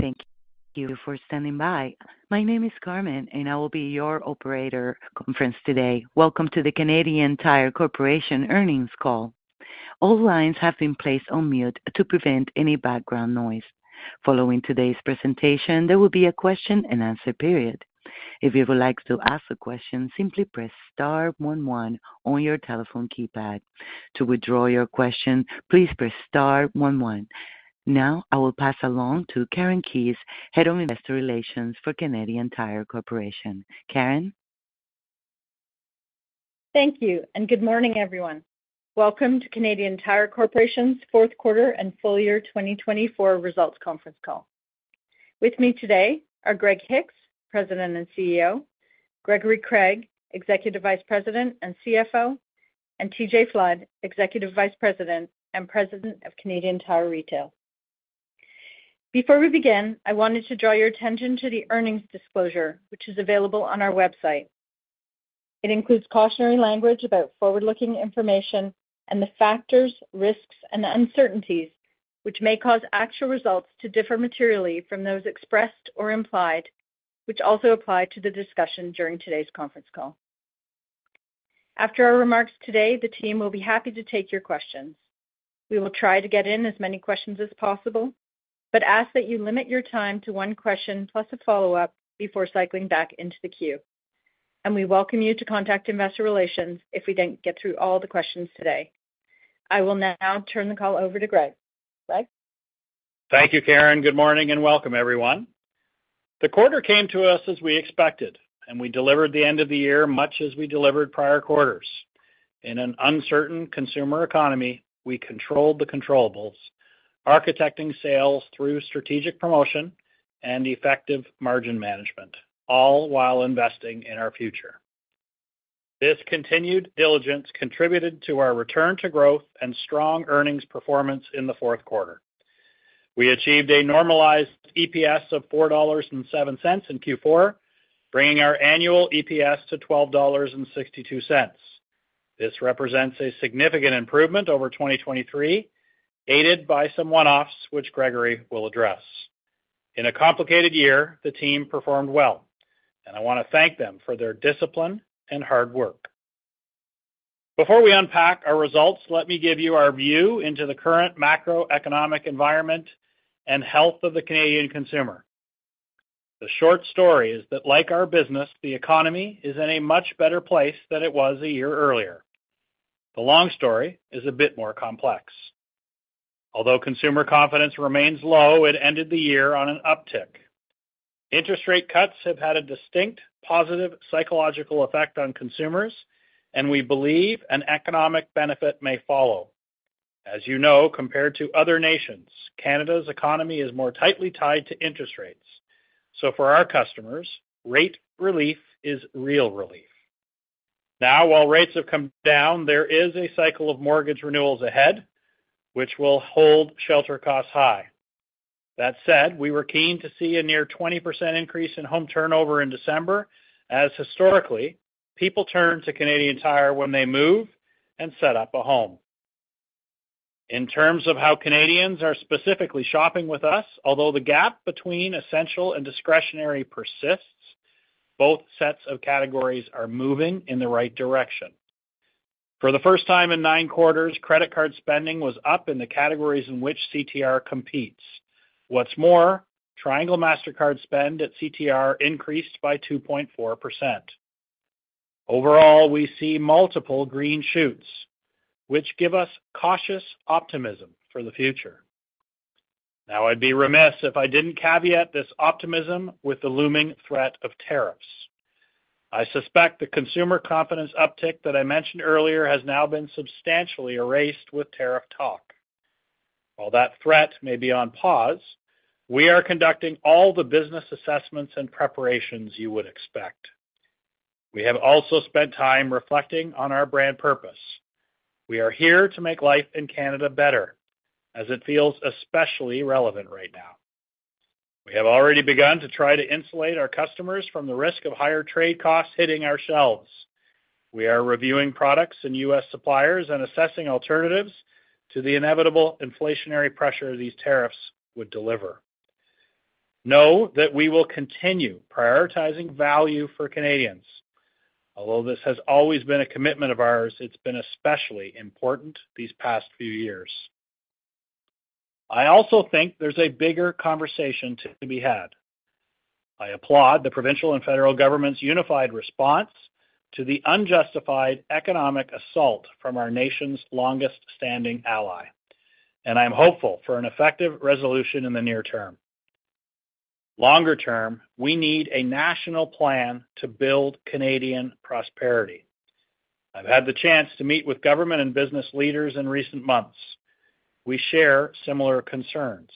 Thank you for standing by. My name is Carmen, and I will be your operator. Conference today. Welcome to the Canadian Tire Corporation earnings call. All lines have been placed on mute to prevent any background noise. Following today's presentation, there will be a question-and-answer period. If you would like to ask a question, simply press star 11 on your telephone keypad. To withdraw your question, please press star 11. Now, I will pass along to Karen Keyes, Head of Investor Relations for Canadian Tire Corporation. Karen? Thank you, and good morning, everyone. Welcome to Canadian Tire Corporation's fourth quarter and full year 2024 results conference call. With me today are Greg Hicks, President and CEO, Gregory Craig, Executive Vice President and CFO, and TJ Flood, Executive Vice President and President of Canadian Tire Retail. Before we begin, I wanted to draw your attention to the earnings disclosure, which is available on our website. It includes cautionary language about forward-looking information and the factors, risks, and uncertainties which may cause actual results to differ materially from those expressed or implied, which also apply to the discussion during today's conference call. After our remarks today, the team will be happy to take your questions. We will try to get in as many questions as possible, but ask that you limit your time to one question plus a follow-up before cycling back into the queue. We welcome you to contact Investor Relations if we don't get through all the questions today. I will now turn the call over to Greg. Greg? Thank you, Karen. Good morning and welcome, everyone. The quarter came to us as we expected, and we delivered the end of the year much as we delivered prior quarters. In an uncertain consumer economy, we controlled the controllable, architecting sales through strategic promotion and effective margin management, all while investing in our future. This continued diligence contributed to our return to growth and strong earnings performance in the fourth quarter. We achieved a normalized EPS of 4.07 dollars in Q4, bringing our annual EPS to 12.62 dollars. This represents a significant improvement over 2023, aided by some one-offs, which Gregory will address. In a complicated year, the team performed well, and I want to thank them for their discipline and hard work. Before we unpack our results, let me give you our view into the current macroeconomic environment and health of the Canadian consumer. The short story is that, like our business, the economy is in a much better place than it was a year earlier. The long story is a bit more complex. Although consumer confidence remains low, it ended the year on an uptick. Interest rate cuts have had a distinct positive psychological effect on consumers, and we believe an economic benefit may follow. As you know, compared to other nations, Canada's economy is more tightly tied to interest rates. So for our customers, rate relief is real relief. Now, while rates have come down, there is a cycle of mortgage renewals ahead, which will hold shelter costs high. That said, we were keen to see a near 20% increase in home turnover in December, as historically, people turn to Canadian Tire when they move and set up a home. In terms of how Canadians are specifically shopping with us, although the gap between essential and discretionary persists, both sets of categories are moving in the right direction. For the first time in nine quarters, credit card spending was up in the categories in which CTR competes. What's more, Triangle Mastercard spend at CTR increased by 2.4%. Overall, we see multiple green shoots, which give us cautious optimism for the future. Now, I'd be remiss if I didn't caveat this optimism with the looming threat of tariffs. I suspect the consumer confidence uptick that I mentioned earlier has now been substantially erased with tariff talk. While that threat may be on pause, we are conducting all the business assessments and preparations you would expect. We have also spent time reflecting on our brand purpose. We are here to make life in Canada better, as it feels especially relevant right now. We have already begun to try to insulate our customers from the risk of higher trade costs hitting our shelves. We are reviewing products and U.S. suppliers and assessing alternatives to the inevitable inflationary pressure these tariffs would deliver. Know that we will continue prioritizing value for Canadians. Although this has always been a commitment of ours, it's been especially important these past few years. I also think there's a bigger conversation to be had. I applaud the provincial and federal government's unified response to the unjustified economic assault from our nation's longest-standing ally, and I'm hopeful for an effective resolution in the near term. Longer term, we need a national plan to build Canadian prosperity. I've had the chance to meet with government and business leaders in recent months. We share similar concerns,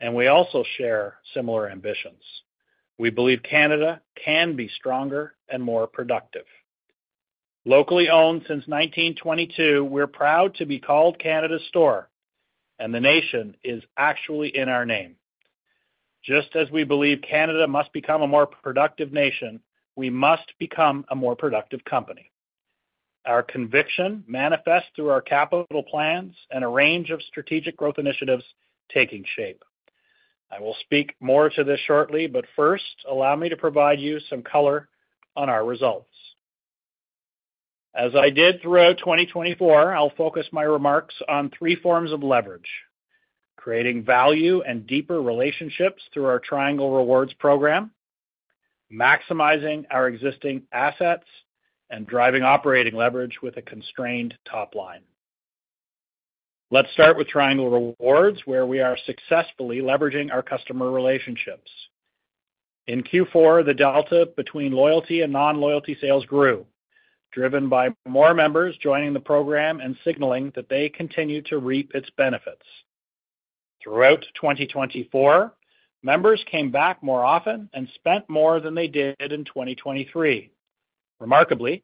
and we also share similar ambitions. We believe Canada can be stronger and more productive. Locally owned since 1922, we're proud to be called Canadian Tire, and the nation is actually in our name. Just as we believe Canada must become a more productive nation, we must become a more productive company. Our conviction manifests through our capital plans and a range of strategic growth initiatives taking shape. I will speak more to this shortly, but first, allow me to provide you some color on our results. As I did throughout 2024, I'll focus my remarks on three forms of leverage: creating value and deeper relationships through our Triangle Rewards program, maximizing our existing assets, and driving operating leverage with a constrained top line. Let's start with Triangle Rewards, where we are successfully leveraging our customer relationships. In Q4, the delta between loyalty and non-loyalty sales grew, driven by more members joining the program and signaling that they continue to reap its benefits. Throughout 2024, members came back more often and spent more than they did in 2023. Remarkably,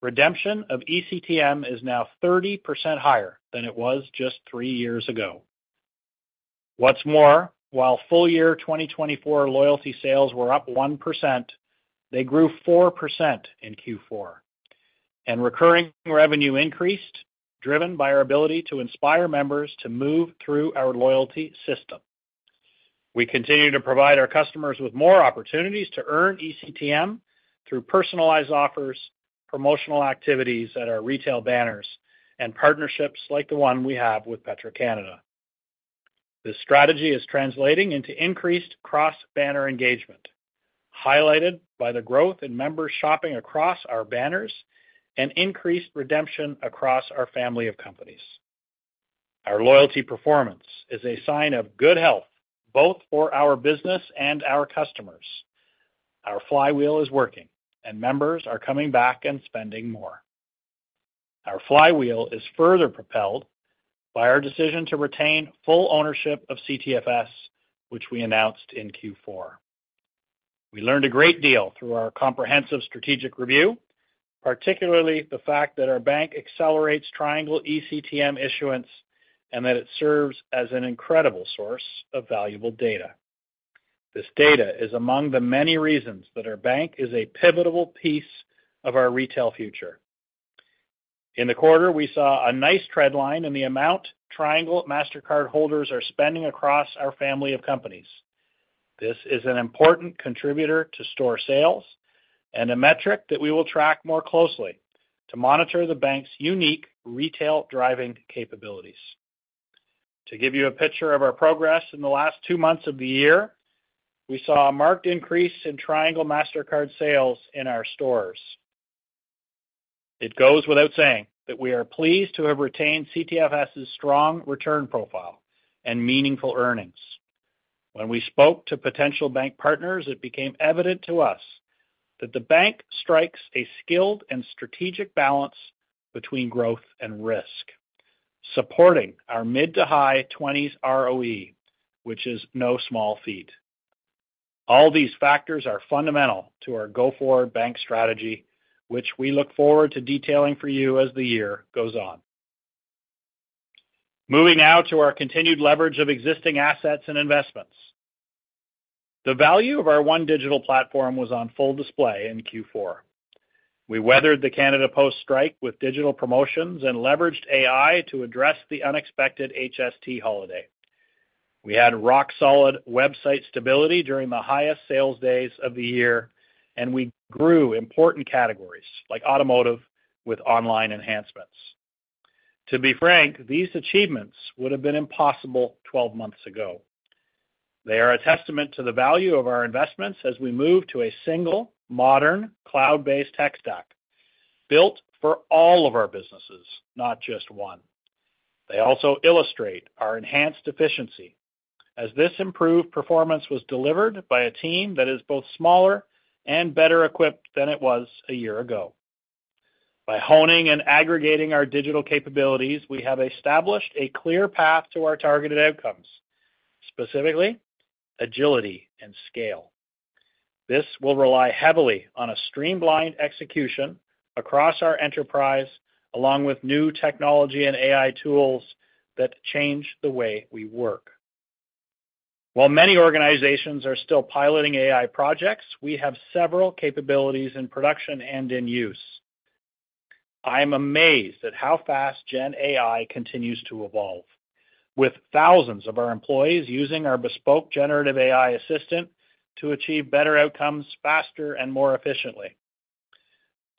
redemption of ECTM is now 30% higher than it was just three years ago. What's more, while full year 2024 loyalty sales were up 1%, they grew 4% in Q4. And recurring revenue increased, driven by our ability to inspire members to move through our loyalty system. We continue to provide our customers with more opportunities to earn ECTM through personalized offers, promotional activities at our retail banners, and partnerships like the one we have with Petro-Canada. This strategy is translating into increased cross-banner engagement, highlighted by the growth in members shopping across our banners and increased redemption across our family of companies. Our loyalty performance is a sign of good health, both for our business and our customers. Our flywheel is working, and members are coming back and spending more. Our flywheel is further propelled by our decision to retain full ownership of CTFS, which we announced in Q4. We learned a great deal through our comprehensive strategic review, particularly the fact that our bank accelerates Triangle ECTM issuance and that it serves as an incredible source of valuable data. This data is among the many reasons that our bank is a pivotal piece of our retail future. In the quarter, we saw a nice trend line in the amount Triangle Mastercard holders are spending across our family of companies. This is an important contributor to store sales and a metric that we will track more closely to monitor the bank's unique retail driving capabilities. To give you a picture of our progress in the last two months of the year, we saw a marked increase in Triangle Mastercard sales in our stores. It goes without saying that we are pleased to have retained CTFS's strong return profile and meaningful earnings. When we spoke to potential bank partners, it became evident to us that the bank strikes a skilled and strategic balance between growth and risk, supporting our mid to high 20s ROE, which is no small feat. All these factors are fundamental to our go-forward bank strategy, which we look forward to detailing for you as the year goes on. Moving now to our continued leverage of existing assets and investments. The value of our One Digital platform was on full display in Q4. We weathered the Canada Post strike with digital promotions and leveraged AI to address the unexpected HST holiday. We had rock-solid website stability during the highest sales days of the year, and we grew important categories like automotive with online enhancements. To be frank, these achievements would have been impossible 12 months ago. They are a testament to the value of our investments as we move to a single, modern, cloud-based tech stack built for all of our businesses, not just one. They also illustrate our enhanced efficiency, as this improved performance was delivered by a team that is both smaller and better equipped than it was a year ago. By honing and aggregating our digital capabilities, we have established a clear path to our targeted outcomes, specifically agility and scale. This will rely heavily on a streamlined execution across our enterprise, along with new technology and AI tools that change the way we work. While many organizations are still piloting AI projects, we have several capabilities in production and in use. I am amazed at how fast Gen AI continues to evolve, with thousands of our employees using our bespoke generative AI assistant to achieve better outcomes faster and more efficiently.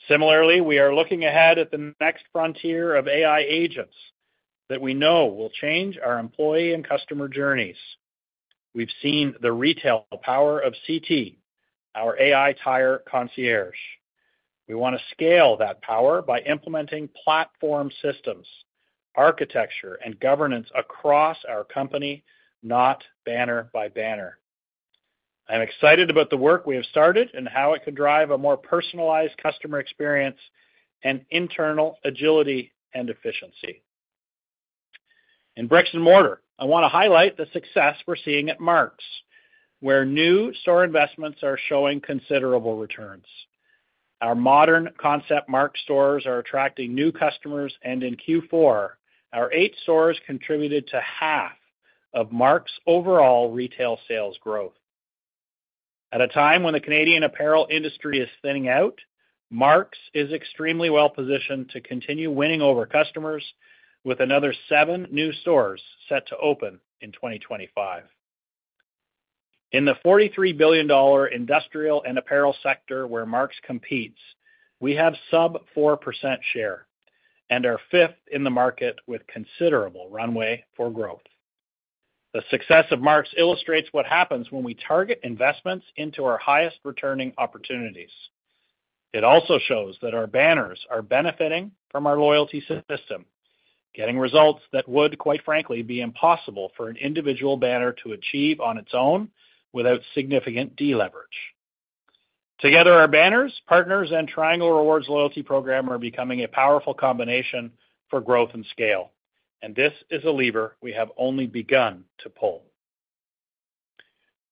Similarly, we are looking ahead at the next frontier of AI agents that we know will change our employee and customer journeys. We've seen the retail power of CT, our AI Tire Concierge. We want to scale that power by implementing platform systems, architecture, and governance across our company, not banner by banner. I'm excited about the work we have started and how it can drive a more personalized customer experience and internal agility and efficiency. In bricks and mortar, I want to highlight the success we're seeing at Mark's, where new store investments are showing considerable returns. Our modern concept Mark's stores are attracting new customers, and in Q4, our eight stores contributed to half of Mark's overall retail sales growth. At a time when the Canadian apparel industry is thinning out, Mark's is extremely well positioned to continue winning over customers, with another seven new stores set to open in 2025. In the 43 billion dollar industrial and apparel sector where Mark's competes, we have sub-4% share and are fifth in the market with considerable runway for growth. The success of Mark's illustrates what happens when we target investments into our highest returning opportunities. It also shows that our banners are benefiting from our loyalty system, getting results that would, quite frankly, be impossible for an individual banner to achieve on its own without significant deleverage. Together, our banners, partners, and Triangle Rewards loyalty program are becoming a powerful combination for growth and scale, and this is a lever we have only begun to pull.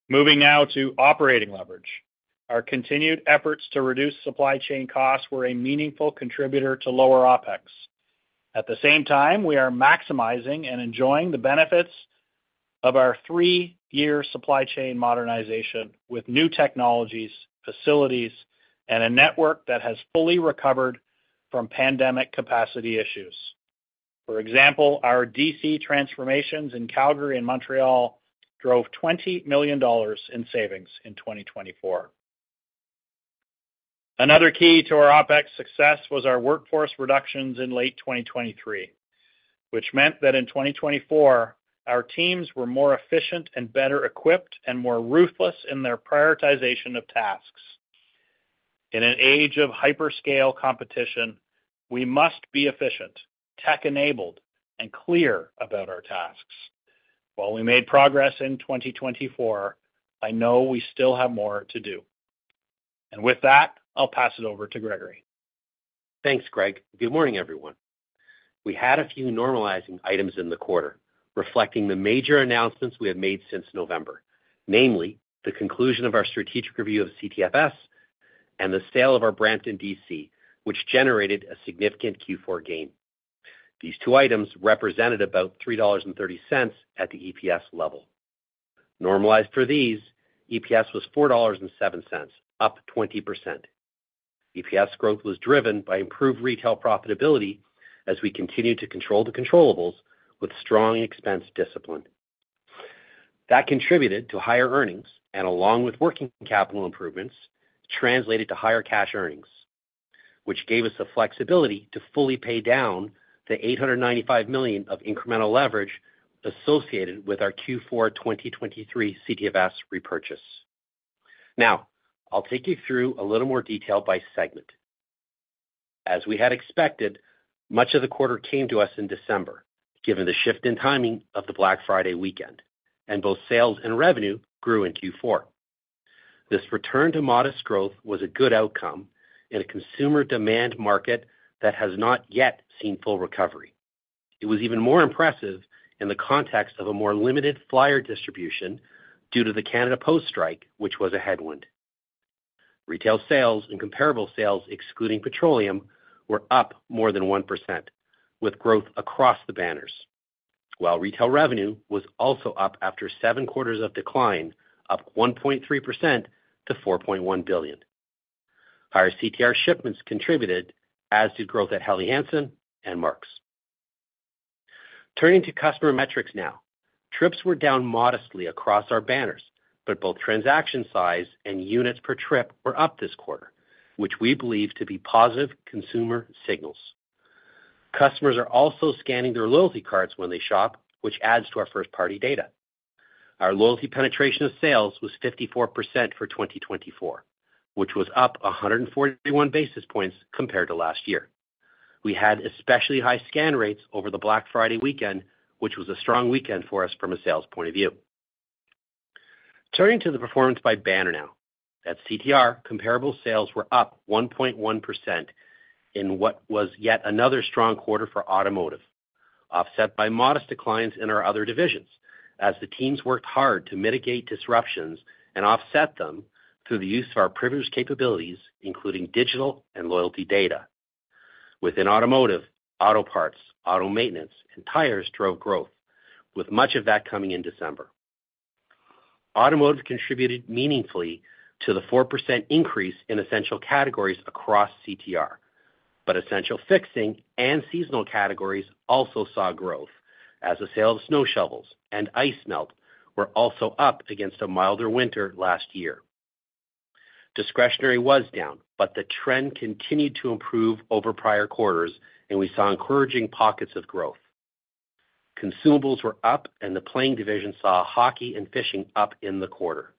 Moving now to operating leverage, our continued efforts to reduce supply chain costs were a meaningful contributor to lower OPEX. At the same time, we are maximizing and enjoying the benefits of our three-year supply chain modernization with new technologies, facilities, and a network that has fully recovered from pandemic capacity issues. For example, our DC transformations in Calgary and Montreal drove 20 million dollars in savings in 2024. Another key to our OPEX success was our workforce reductions in late 2023, which meant that in 2024, our teams were more efficient and better equipped and more ruthless in their prioritization of tasks. In an age of hyperscale competition, we must be efficient, tech-enabled, and clear about our tasks. While we made progress in 2024, I know we still have more to do. And with that, I'll pass it over to Gregory. Thanks, Greg. Good morning, everyone. We had a few normalizing items in the quarter reflecting the major announcements we have made since November, namely the conclusion of our strategic review of CTFS and the sale of our Brampton DC, which generated a significant Q4 gain. These two items represented about 3.30 dollars at the EPS level. Normalized for these, EPS was 4.07 dollars, up 20%. EPS growth was driven by improved retail profitability as we continued to control the controllables with strong expense discipline. That contributed to higher earnings, and along with working capital improvements, translated to higher cash earnings, which gave us the flexibility to fully pay down the 895 million of incremental leverage associated with our Q4 2023 CTFS repurchase. Now, I'll take you through a little more detail by segment. As we had expected, much of the quarter came to us in December, given the shift in timing of the Black Friday weekend, and both sales and revenue grew in Q4. This return to modest growth was a good outcome in a consumer demand market that has not yet seen full recovery. It was even more impressive in the context of a more limited flyer distribution due to the Canada Post strike, which was a headwind. Retail sales and comparable sales, excluding petroleum, were up more than 1%, with growth across the banners, while retail revenue was also up after seven quarters of decline, up 1.3% to 4.1 billion. Higher CTR shipments contributed, as did growth at Helly Hansen and Mark's. Turning to customer metrics now, trips were down modestly across our banners, but both transaction size and units per trip were up this quarter, which we believe to be positive consumer signals. Customers are also scanning their loyalty cards when they shop, which adds to our first-party data. Our loyalty penetration of sales was 54% for 2024, which was up 141 basis points compared to last year. We had especially high scan rates over the Black Friday weekend, which was a strong weekend for us from a sales point of view. Turning to the performance by banner now, at CTR, comparable sales were up 1.1% in what was yet another strong quarter for automotive, offset by modest declines in our other divisions as the teams worked hard to mitigate disruptions and offset them through the use of our privileged capabilities, including digital and loyalty data. Within automotive, auto parts, auto maintenance, and tires drove growth, with much of that coming in December. Automotive contributed meaningfully to the 4% increase in essential categories across CTR, but essential fixing and seasonal categories also saw growth as the sale of snow shovels and ice melt were also up against a milder winter last year. Discretionary was down, but the trend continued to improve over prior quarters, and we saw encouraging pockets of growth. Consumables were up, and the playing division saw hockey and fishing up in the quarter.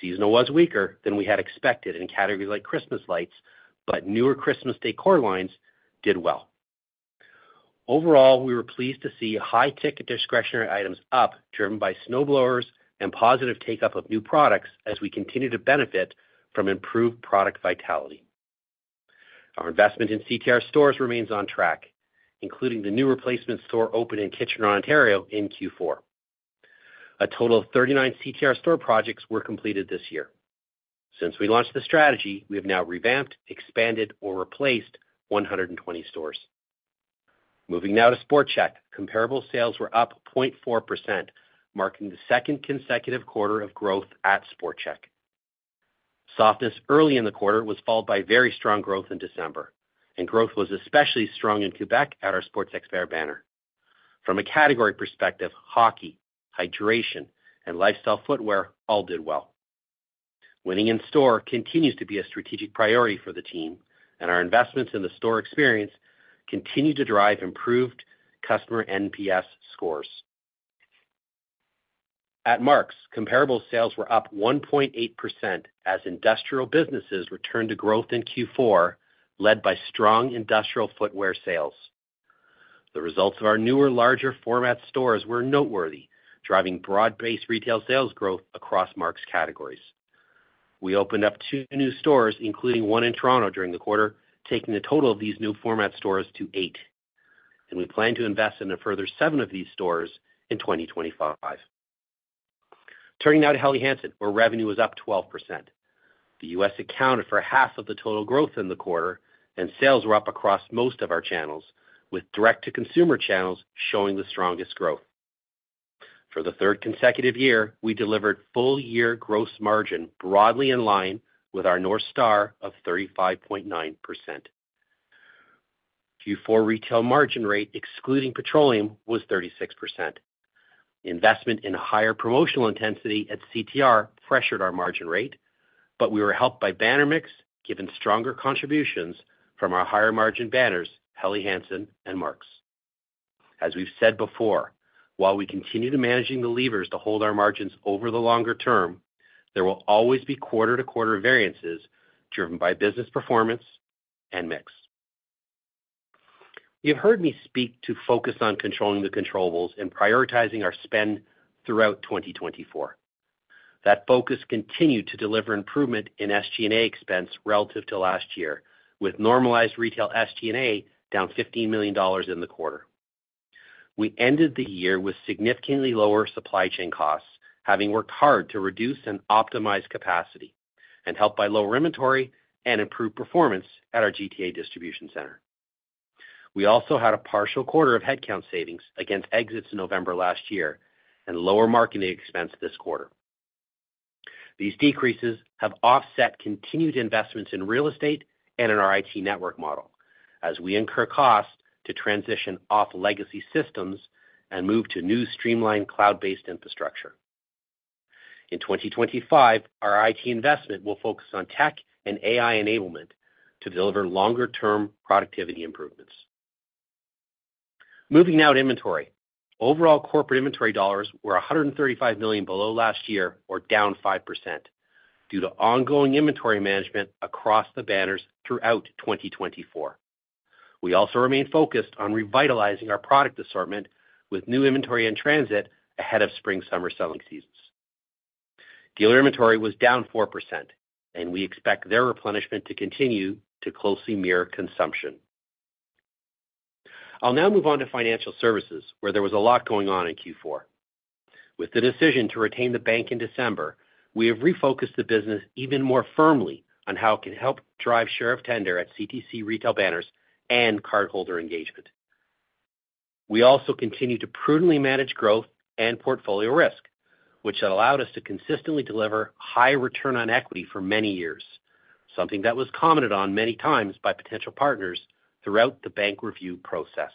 Seasonal was weaker than we had expected in categories like Christmas lights, but newer Christmas decor lines did well. Overall, we were pleased to see high-ticket discretionary items up, driven by snowblowers and positive take-up of new products as we continue to benefit from improved product vitality. Our investment in CTR stores remains on track, including the new replacement store open in Kitchener, Ontario, in Q4. A total of 39 CTR store projects were completed this year. Since we launched the strategy, we have now revamped, expanded, or replaced 120 stores. Moving now to Sport Chek, comparable sales were up 0.4%, marking the second consecutive quarter of growth at Sport Chek. Softness early in the quarter was followed by very strong growth in December, and growth was especially strong in Quebec at our Sport Chek's fair banner. From a category perspective, hockey, hydration, and lifestyle footwear all did well. Winning in store continues to be a strategic priority for the team, and our investments in the store experience continue to drive improved customer NPS scores. At Mark's, comparable sales were up 1.8% as industrial businesses returned to growth in Q4, led by strong industrial footwear sales. The results of our newer, larger-format stores were noteworthy, driving broad-based retail sales growth across Mark's categories. We opened up two new stores, including one in Toronto during the quarter, taking the total of these new format stores to eight, and we plan to invest in a further seven of these stores in 2025. Turning now to Helly Hansen, where revenue was up 12%. The U.S. accounted for half of the total growth in the quarter, and sales were up across most of our channels, with direct-to-consumer channels showing the strongest growth. For the third consecutive year, we delivered full-year gross margin broadly in line with our North Star of 35.9%. Q4 retail margin rate, excluding petroleum, was 36%. Investment in higher promotional intensity at CTR pressured our margin rate, but we were helped by banner mix, given stronger contributions from our higher-margin banners, Helly Hansen and Mark's. As we've said before, while we continue to manage the levers to hold our margins over the longer term, there will always be quarter-to-quarter variances driven by business performance and mix. You've heard me speak to focus on controlling the controllables and prioritizing our spend throughout 2024. That focus continued to deliver improvement in SG&A expense relative to last year, with normalized retail SG&A down 15 million dollars in the quarter. We ended the year with significantly lower supply chain costs, having worked hard to reduce and optimize capacity and help by lower inventory and improve performance at our GTA Distribution Center. We also had a partial quarter of headcount savings against exits in November last year and lower marketing expense this quarter. These decreases have offset continued investments in real estate and in our IT network model as we incur costs to transition off legacy systems and move to new streamlined cloud-based infrastructure. In 2025, our IT investment will focus on tech and AI enablement to deliver longer-term productivity improvements. Moving now to inventory, overall corporate inventory dollars were 135 million below last year or down 5% due to ongoing inventory management across the banners throughout 2024. We also remain focused on revitalizing our product assortment with new inventory in transit ahead of spring-summer selling seasons. Dealer inventory was down 4%, and we expect their replenishment to continue to closely mirror consumption. I'll now move on to financial services, where there was a lot going on in Q4. With the decision to retain the bank in December, we have refocused the business even more firmly on how it can help drive share of tender at CTC retail banners and cardholder engagement. We also continue to prudently manage growth and portfolio risk, which allowed us to consistently deliver high return on equity for many years, something that was commented on many times by potential partners throughout the bank review process.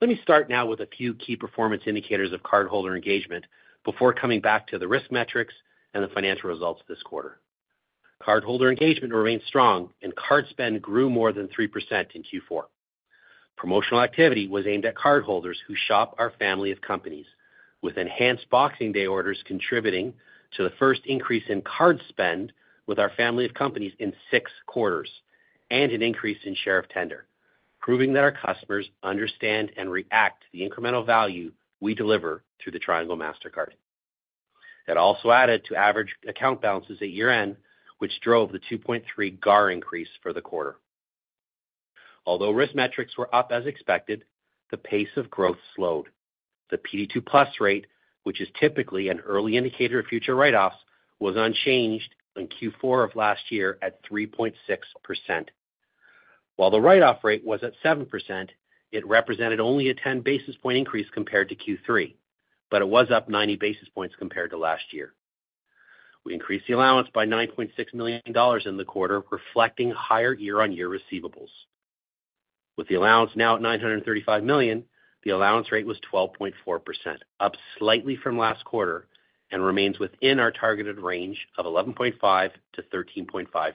Let me start now with a few key performance indicators of cardholder engagement before coming back to the risk metrics and the financial results this quarter. Cardholder engagement remained strong, and card spend grew more than 3% in Q4. Promotional activity was aimed at cardholders who shop our family of companies, with enhanced Boxing Day orders contributing to the first increase in card spend with our family of companies in six quarters and an increase in share of tender, proving that our customers understand and react to the incremental value we deliver through the Triangle Mastercard. It also added to average account balances at year-end, which drove the 2.3 GAR increase for the quarter. Although risk metrics were up as expected, the pace of growth slowed. The PD2 Plus rate, which is typically an early indicator of future write-offs, was unchanged in Q4 of last year at 3.6%. While the write-off rate was at 7%, it represented only a 10 basis point increase compared to Q3, but it was up 90 basis points compared to last year. We increased the allowance by 9.6 million dollars in the quarter, reflecting higher year-on-year receivables. With the allowance now at 935 million, the allowance rate was 12.4%, up slightly from last quarter and remains within our targeted range of 11.5%-13.5%.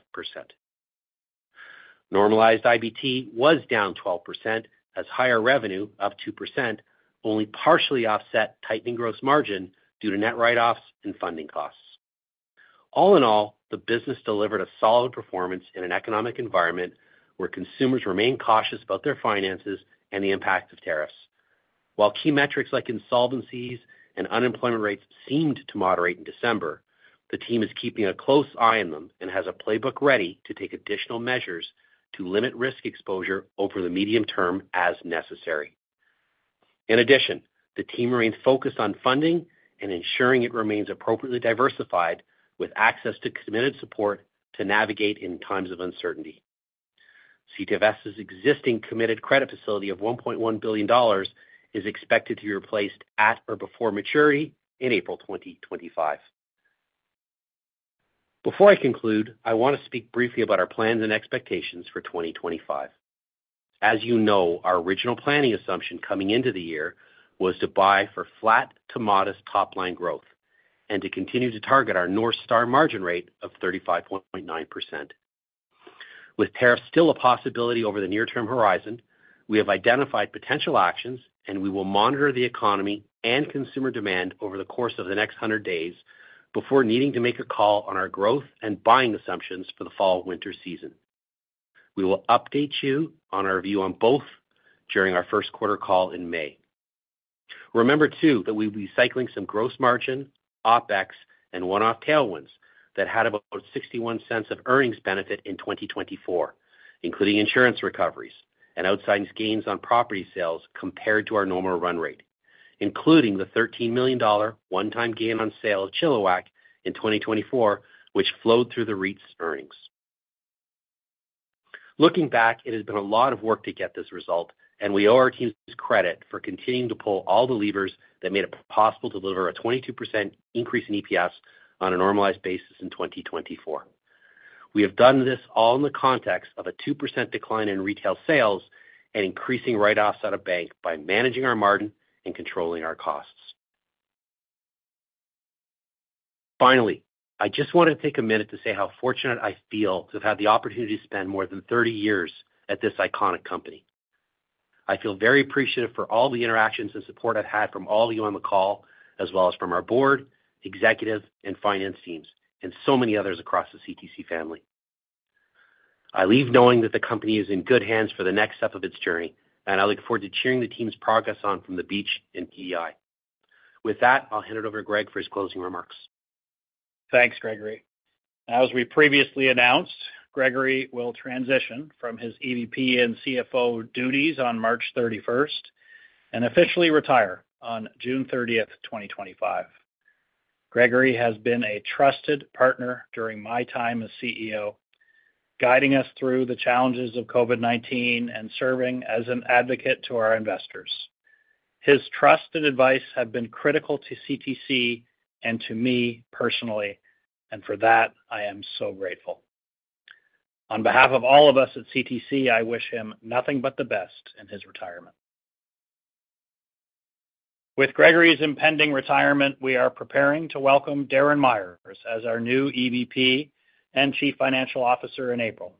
Normalized IBT was down 12% as higher revenue, up 2%, only partially offset tightening gross margin due to net write-offs and funding costs. All in all, the business delivered a solid performance in an economic environment where consumers remain cautious about their finances and the impact of tariffs. While key metrics like insolvencies and unemployment rates seemed to moderate in December, the team is keeping a close eye on them and has a playbook ready to take additional measures to limit risk exposure over the medium term as necessary. In addition, the team remains focused on funding and ensuring it remains appropriately diversified with access to committed support to navigate in times of uncertainty. CTFS's existing committed credit facility of 1.1 billion dollars is expected to be replaced at or before maturity in April 2025. Before I conclude, I want to speak briefly about our plans and expectations for 2025. As you know, our original planning assumption coming into the year was to buy for flat to modest top-line growth and to continue to target our North Star margin rate of 35.9%. With tariffs still a possibility over the near-term horizon, we have identified potential actions, and we will monitor the economy and consumer demand over the course of the next 100 days before needing to make a call on our growth and buying assumptions for the fall/winter season. We will update you on our view on both during our first quarter call in May. Remember, too, that we will be cycling some gross margin, OPEX, and one-off tailwinds that had about 0.61 of earnings benefit in 2024, including insurance recoveries and outsizing gains on property sales compared to our normal run rate, including the CAD 13 million one-time gain on sale of Chilliwack in 2024, which flowed through the REITs' earnings. Looking back, it has been a lot of work to get this result, and we owe our teams credit for continuing to pull all the levers that made it possible to deliver a 22% increase in EPS on a normalized basis in 2024. We have done this all in the context of a 2% decline in retail sales and increasing write-offs out of bank by managing our margin and controlling our costs. Finally, I just wanted to take a minute to say how fortunate I feel to have had the opportunity to spend more than 30 years at this iconic company. I feel very appreciative for all the interactions and support I've had from all of you on the call, as well as from our board, executives, and finance teams, and so many others across the CTC family. I leave knowing that the company is in good hands for the next step of its journey, and I look forward to cheering the team's progress on from the beach in PEI. With that, I'll hand it over to Greg for his closing remarks. Thanks, Gregory. As we previously announced, Gregory will transition from his EVP and CFO duties on March 31 and officially retire on June 30, 2025. Gregory has been a trusted partner during my time as CEO, guiding us through the challenges of COVID-19 and serving as an advocate to our investors. His trust and advice have been critical to CTC and to me personally, and for that, I am so grateful. On behalf of all of us at CTC, I wish him nothing but the best in his retirement. With Gregory's impending retirement, we are preparing to welcome Darren Myers as our new EVP and Chief Financial Officer in April.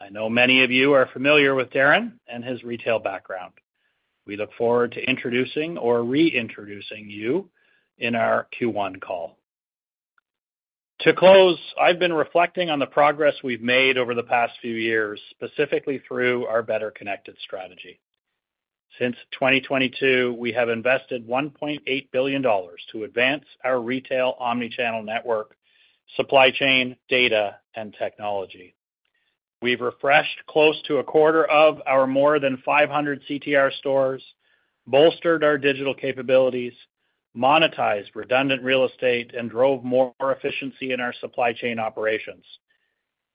I know many of you are familiar with Darren and his retail background. We look forward to introducing or reintroducing you in our Q1 call. To close, I've been reflecting on the progress we've made over the past few years, specifically through our Better Connected strategy. Since 2022, we have invested 1.8 billion dollars to advance our retail omnichannel network, supply chain, data, and technology. We've refreshed close to a quarter of our more than 500 CTR stores, bolstered our digital capabilities, monetized redundant real estate, and drove more efficiency in our supply chain operations.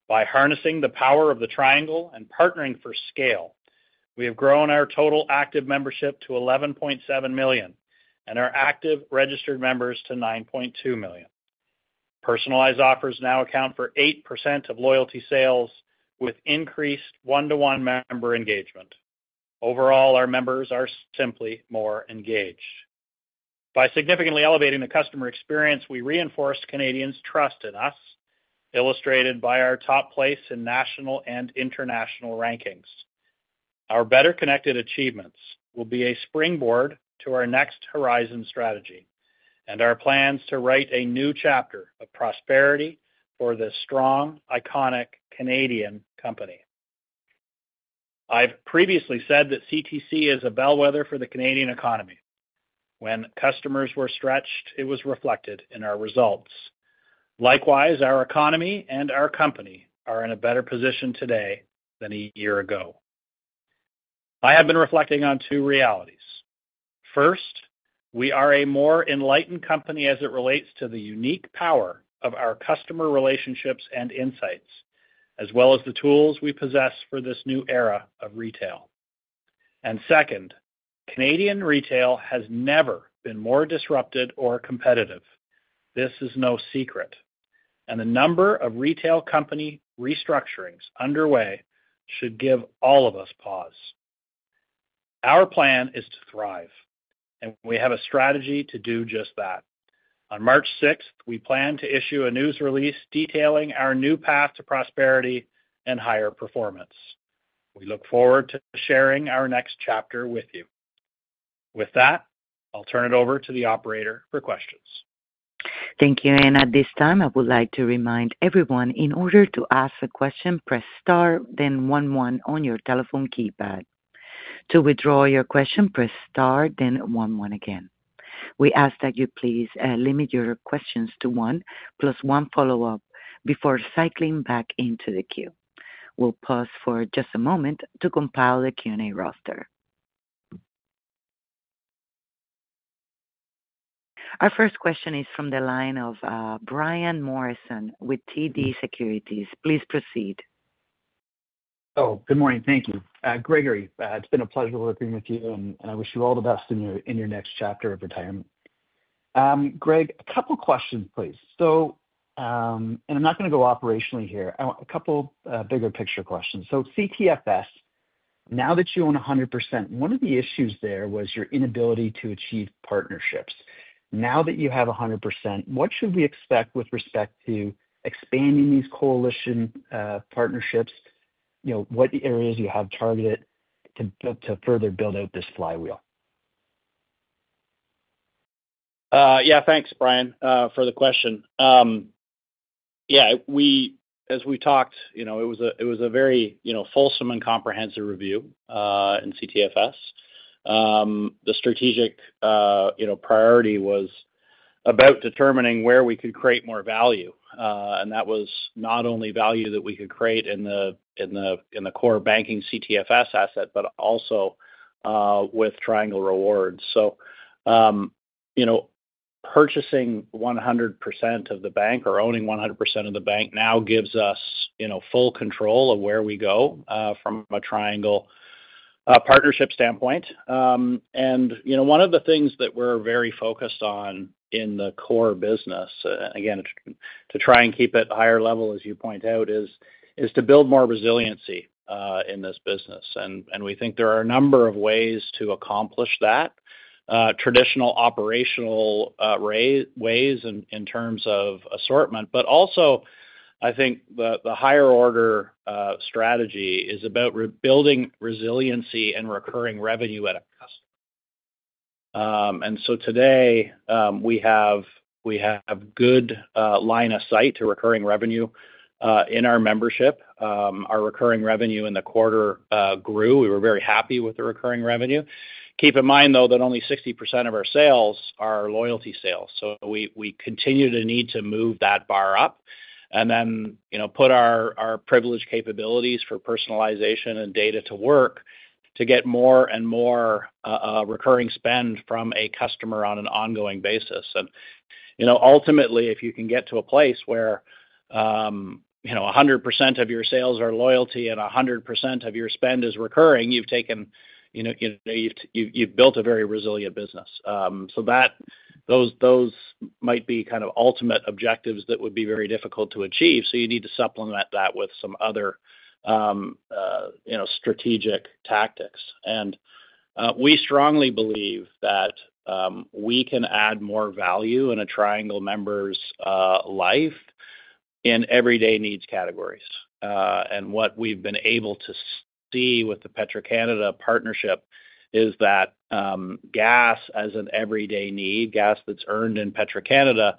By harnessing the power of the triangle and partnering for scale, we have grown our total active membership to 11.7 million and our active registered members to 9.2 million. Personalized offers now account for 8% of loyalty sales with increased one-to-one member engagement. Overall, our members are simply more engaged. By significantly elevating the customer experience, we reinforced Canadians' trust in us, illustrated by our top place in national and international rankings. Our Better Connected achievements will be a springboard to our next horizon strategy and our plans to write a new chapter of prosperity for this strong, iconic Canadian company. I've previously said that CTC is a bellwether for the Canadian economy. When customers were stretched, it was reflected in our results. Likewise, our economy and our company are in a better position today than a year ago. I have been reflecting on two realities. First, we are a more enlightened company as it relates to the unique power of our customer relationships and insights, as well as the tools we possess for this new era of retail, and second, Canadian retail has never been more disrupted or competitive. This is no secret, and the number of retail company restructurings underway should give all of us pause. Our plan is to thrive, and we have a strategy to do just that. On March 6, we plan to issue a news release detailing our new path to prosperity and higher performance. We look forward to sharing our next chapter with you. With that, I'll turn it over to the operator for questions. Thank you. At this time, I would like to remind everyone in order to ask a question, press Star, then 1-1 on your telephone keypad. To withdraw your question, press Star, then 1-1 again. We ask that you please limit your questions to one plus one follow-up before cycling back into the queue. We'll pause for just a moment to compile the Q&A roster. Our first question is from the line of Brian Morrison with TD Securities. Please proceed. Oh, good morning. Thank you. Gregory, it's been a pleasure working with you, and I wish you all the best in your next chapter of retirement. Greg, a couple of questions, please. I'm not going to go operationally here. A couple of bigger picture questions. CTFS, now that you own 100%, one of the issues there was your inability to achieve partnerships. Now that you have 100%, what should we expect with respect to expanding these coalition partnerships? What areas do you have targeted to further build out this flywheel? Yeah, thanks, Brian, for the question. Yeah, as we talked, it was a very fulsome and comprehensive review in CTFS. The strategic priority was about determining where we could create more value. And that was not only value that we could create in the core banking CTFS asset, but also with Triangle Rewards. So purchasing 100% of the bank or owning 100% of the bank now gives us full control of where we go from a Triangle partnership standpoint. And one of the things that we're very focused on in the core business, again, to try and keep it higher level, as you point out, is to build more resiliency in this business. And we think there are a number of ways to accomplish that: traditional operational ways in terms of assortment, but also, I think the higher order strategy is about building resiliency and recurring revenue at a customer. And so today, we have a good line of sight to recurring revenue in our membership. Our recurring revenue in the quarter grew. We were very happy with the recurring revenue. Keep in mind, though, that only 60% of our sales are loyalty sales. So we continue to need to move that bar up and then put our privileged capabilities for personalization and data to work to get more and more recurring spend from a customer on an ongoing basis. And ultimately, if you can get to a place where 100% of your sales are loyalty and 100% of your spend is recurring, you've built a very resilient business. Those might be kind of ultimate objectives that would be very difficult to achieve. You need to supplement that with some other strategic tactics. We strongly believe that we can add more value in a Triangle member's life in everyday needs categories. What we've been able to see with the Petro-Canada partnership is that gas, as an everyday need, gas that's earned in Petro-Canada,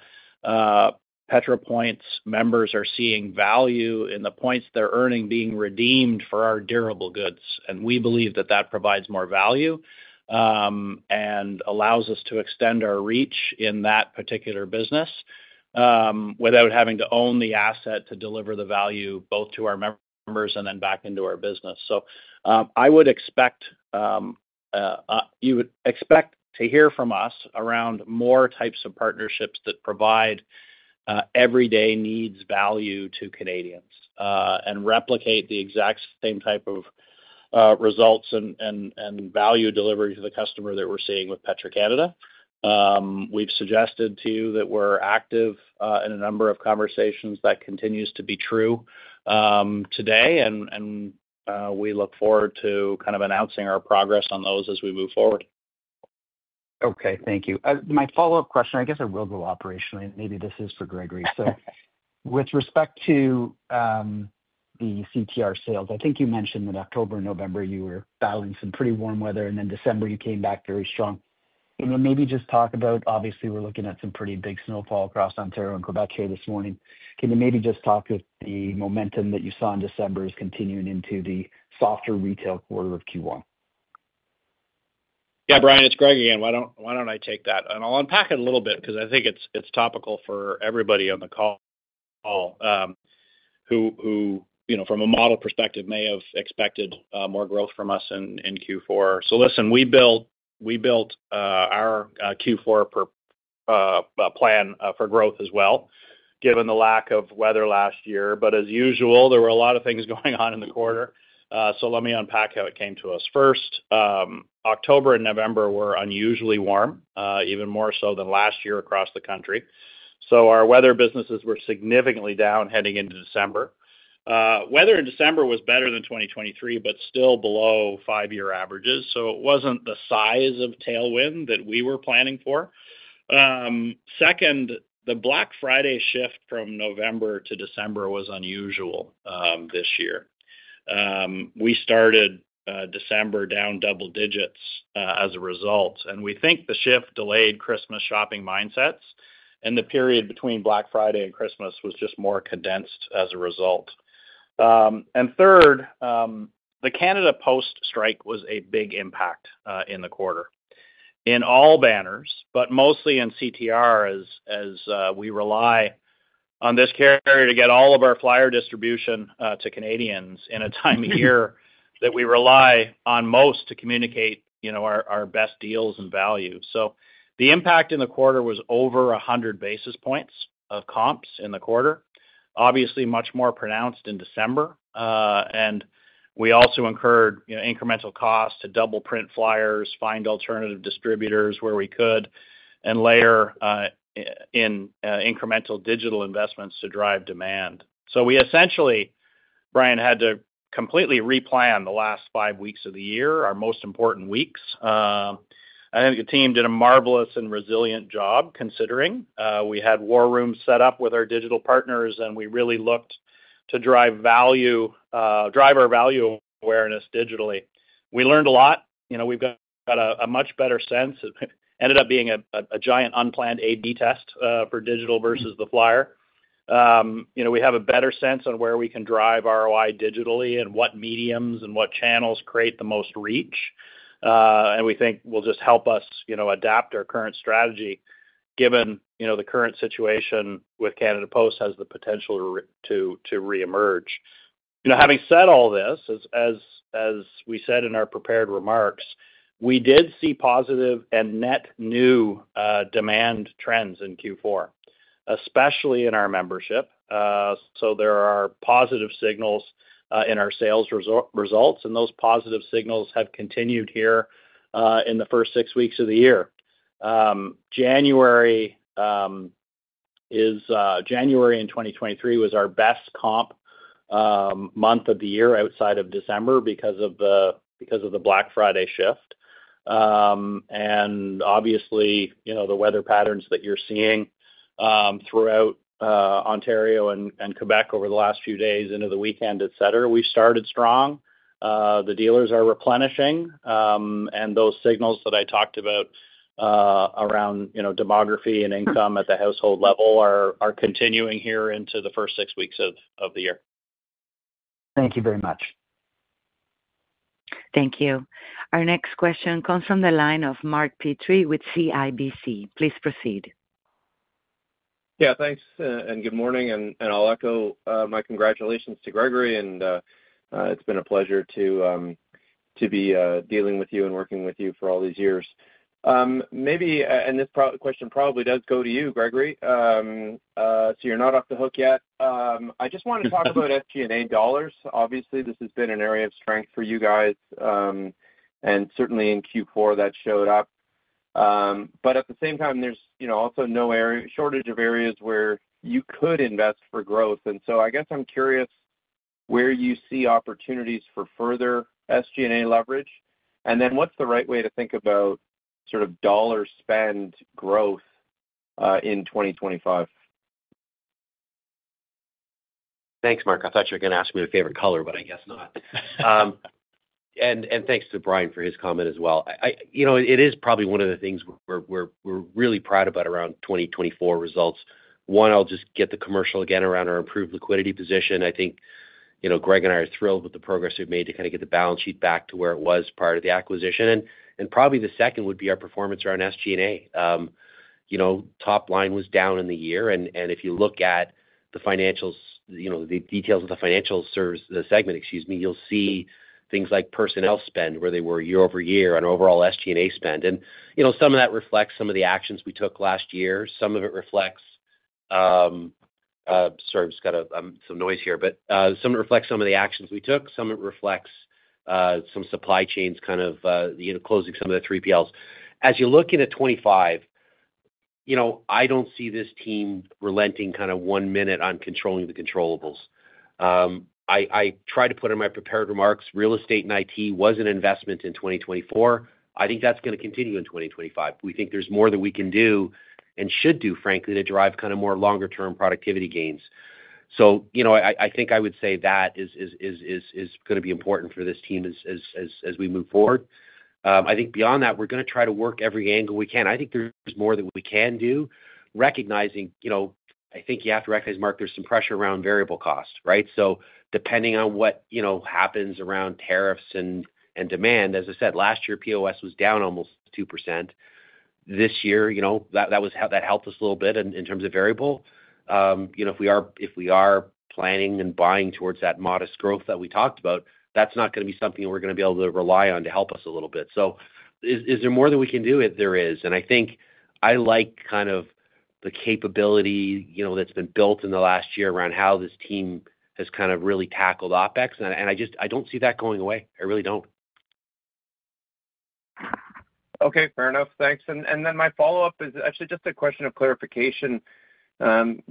Petro-Points members are seeing value in the points they're earning being redeemed for our durable goods. We believe that that provides more value and allows us to extend our reach in that particular business without having to own the asset to deliver the value both to our members and then back into our business. So I would expect you would expect to hear from us around more types of partnerships that provide everyday needs value to Canadians and replicate the exact same type of results and value delivery to the customer that we're seeing with Petro-Canada. We've suggested to you that we're active in a number of conversations that continues to be true today, and we look forward to kind of announcing our progress on those as we move forward. Okay. Thank you. My follow-up question, I guess it will go operationally, and maybe this is for Gregory. So with respect to the CTR sales, I think you mentioned that October and November, you were battling some pretty warm weather, and then December, you came back very strong. Can you maybe just talk about, obviously, we're looking at some pretty big snowfall across Ontario and Quebec here this morning. Can you maybe just talk with the momentum that you saw in December is continuing into the softer retail quarter of Q1? Yeah, Brian, it's Greg again. Why don't I take that, and I'll unpack it a little bit because I think it's topical for everybody on the call who, from a model perspective, may have expected more growth from us in Q4, so listen, we built our Q4 plan for growth as well, given the lack of weather last year, but as usual, there were a lot of things going on in the quarter, so let me unpack how it came to us. First, October and November were unusually warm, even more so than last year across the country, so our weather businesses were significantly down heading into December. Weather in December was better than 2023, but still below five-year averages. It wasn't the size of tailwind that we were planning for. Second, the Black Friday shift from November to December was unusual this year. We started December down double digits as a result, and we think the shift delayed Christmas shopping mindsets, and the period between Black Friday and Christmas was just more condensed as a result. Third, the Canada Post strike was a big impact in the quarter in all banners, but mostly in CTR, as we rely on this carrier to get all of our flyer distribution to Canadians in a time of year that we rely on most to communicate our best deals and value. The impact in the quarter was over 100 basis points of comps in the quarter, obviously much more pronounced in December. And we also incurred incremental costs to double-print flyers, find alternative distributors where we could, and layer in incremental digital investments to drive demand. So we essentially, Brian, had to completely replan the last five weeks of the year, our most important weeks. I think the team did a marvelous and resilient job considering we had war rooms set up with our digital partners, and we really looked to drive our value awareness digitally. We learned a lot. We've got a much better sense. It ended up being a giant unplanned A/B test for digital versus the flyer. We have a better sense on where we can drive ROI digitally and what mediums and what channels create the most reach. And we think will just help us adapt our current strategy, given the current situation with Canada Post has the potential to reemerge. Having said all this, as we said in our prepared remarks, we did see positive and net new demand trends in Q4, especially in our membership. So there are positive signals in our sales results, and those positive signals have continued here in the first six weeks of the year. January in 2023 was our best comp month of the year outside of December because of the Black Friday shift. And obviously, the weather patterns that you're seeing throughout Ontario and Quebec over the last few days into the weekend, etc., we started strong. The dealers are replenishing, and those signals that I talked about around demography and income at the household level are continuing here into the first six weeks of the year. Thank you very much. Thank you. Our next question comes from the line of Mark Petrie with CIBC. Please proceed. Yeah, thanks. And good morning. I'll echo my congratulations to Gregory. It's been a pleasure to be dealing with you and working with you for all these years. This question probably does go to you, Gregory. You're not off the hook yet. I just want to talk about SG&A dollars. Obviously, this has been an area of strength for you guys, and certainly in Q4, that showed up. At the same time, there's also no shortage of areas where you could invest for growth. I guess I'm curious where you see opportunities for further SG&A leverage, and then what's the right way to think about sort of dollar spend growth in 2025? Thanks, Mark. I thought you were going to ask me my favorite color, but I guess not. Thanks to Brian for his comment as well. It is probably one of the things we're really proud of our 2024 results. One, I'll just get the commendation again around our improved liquidity position. I think Greg and I are thrilled with the progress we've made to kind of get the balance sheet back to where it was prior to the acquisition. And probably the second would be our performance around SG&A. Top line was down in the year. And if you look at the details of the Financial Services segment, excuse me, you'll see things like personnel spend, where they were year over year on overall SG&A spend. And some of that reflects some of the actions we took last year. Some of it reflects, sorry, we've just got some noise here, but some of it reflects some of the actions we took. Some of it reflects some supply chains kind of closing some of the 3PLs. As you look into 2025, I don't see this team relenting kind of one minute on controlling the controllables. I tried to put in my prepared remarks. Real estate and IT was an investment in 2024. I think that's going to continue in 2025. We think there's more that we can do and should do, frankly, to drive kind of more longer-term productivity gains. So I think I would say that is going to be important for this team as we move forward. I think beyond that, we're going to try to work every angle we can. I think there's more that we can do, recognizing I think you have to recognize, Mark, there's some pressure around variable cost, right? So depending on what happens around tariffs and demand, as I said, last year, POS was down almost 2%. This year, that helped us a little bit in terms of variable. If we are planning and buying towards that modest growth that we talked about, that's not going to be something we're going to be able to rely on to help us a little bit. So is there more that we can do? There is, and I think I like kind of the capability that's been built in the last year around how this team has kind of really tackled OPEX. And I don't see that going away. I really don't. Okay. Fair enough. Thanks, and then my follow-up is actually just a question of clarification.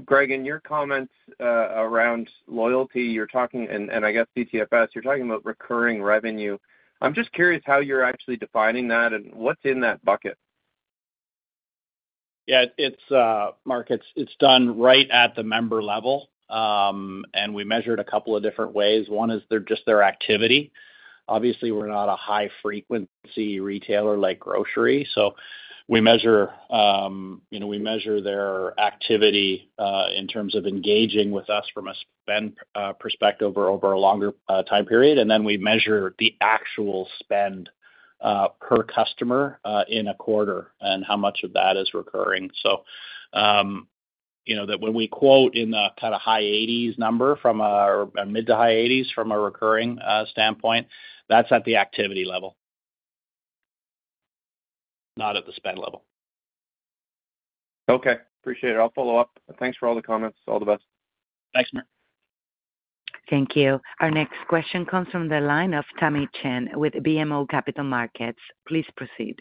Greg, in your comments around loyalty, you're talking, and I guess CTFS, you're talking about recurring revenue. I'm just curious how you're actually defining that and what's in that bucket. Yeah. Mark, it's done right at the member level. We measured a couple of different ways. One is just their activity. Obviously, we're not a high-frequency retailer like grocery. So we measure their activity in terms of engaging with us from a spend perspective over a longer time period. And then we measure the actual spend per customer in a quarter and how much of that is recurring. So when we quote in the kind of high 80s number or mid to high 80s from a recurring standpoint, that's at the activity level, not at the spend level. Okay. Appreciate it. I'll follow up. Thanks for all the comments. All the best. Thanks, Mark. Thank you. Our next question comes from the line of Tamy Chen with BMO Capital Markets. Please proceed.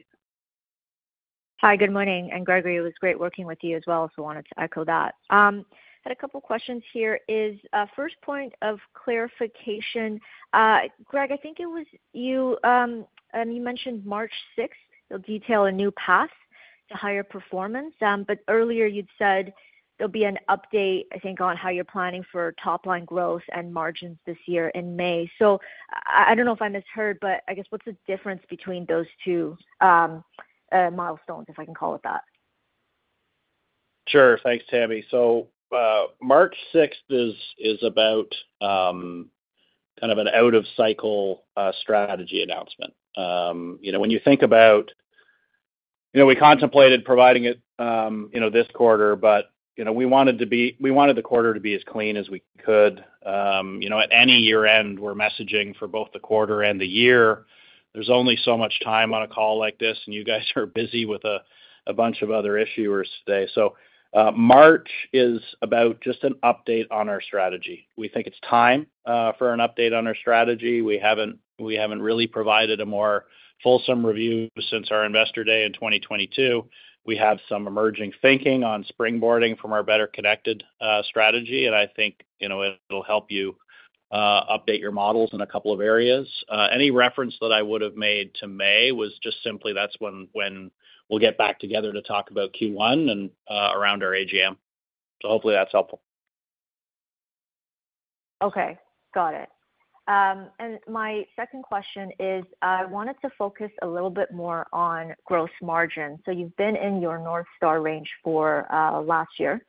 Hi. Good morning. Gregory, it was great working with you as well, so I wanted to echo that. I had a couple of questions here. First point of clarification, Greg, I think it was you. You mentioned March 6th, they'll detail a new path to higher performance. But earlier, you'd said there'll be an update, I think, on how you're planning for top-line growth and margins this year in May. So I don't know if I misheard, but I guess what's the difference between those two milestones, if I can call it that? Sure. Thanks, Tamy. So March 6th is about kind of an out-of-cycle strategy announcement. When you think about, we contemplated providing it this quarter, but we wanted the quarter to be as clean as we could. At any year-end, we're messaging for both the quarter and the year. There's only so much time on a call like this, and you guys are busy with a bunch of other issuers today. So March is about just an update on our strategy. We think it's time for an update on our strategy. We haven't really provided a more fulsome review since our investor day in 2022. We have some emerging thinking on springboarding from our Better Connected strategy, and I think it'll help you update your models in a couple of areas. Any reference that I would have made to May was just simply that's when we'll get back together to talk about Q1 and around our AGM. So hopefully, that's helpful. Okay. Got it. And my second question is I wanted to focus a little bit more on gross margin. So you've been in your North Star range for last year.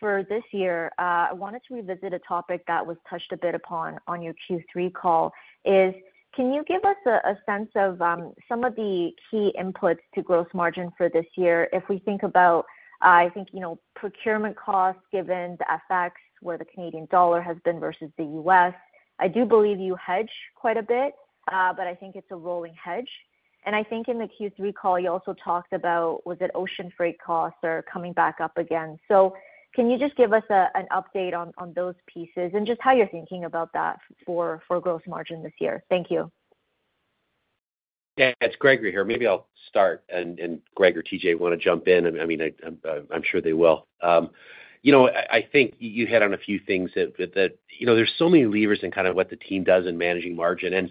For this year, I wanted to revisit a topic that was touched a bit upon on your Q3 call. Can you give us a sense of some of the key inputs to gross margin for this year? If we think about, I think, procurement costs given the effects where the Canadian dollar has been versus the U.S., I do believe you hedge quite a bit, but I think it's a rolling hedge. And I think in the Q3 call, you also talked about, was it ocean freight costs or coming back up again? So can you just give us an update on those pieces and just how you're thinking about that for gross margin this year? Thank you. Yeah. It's Gregory here. Maybe I'll start. And Greg or TJ want to jump in? I mean, I'm sure they will. I think you hit on a few things that there's so many levers in kind of what the team does in managing margin. And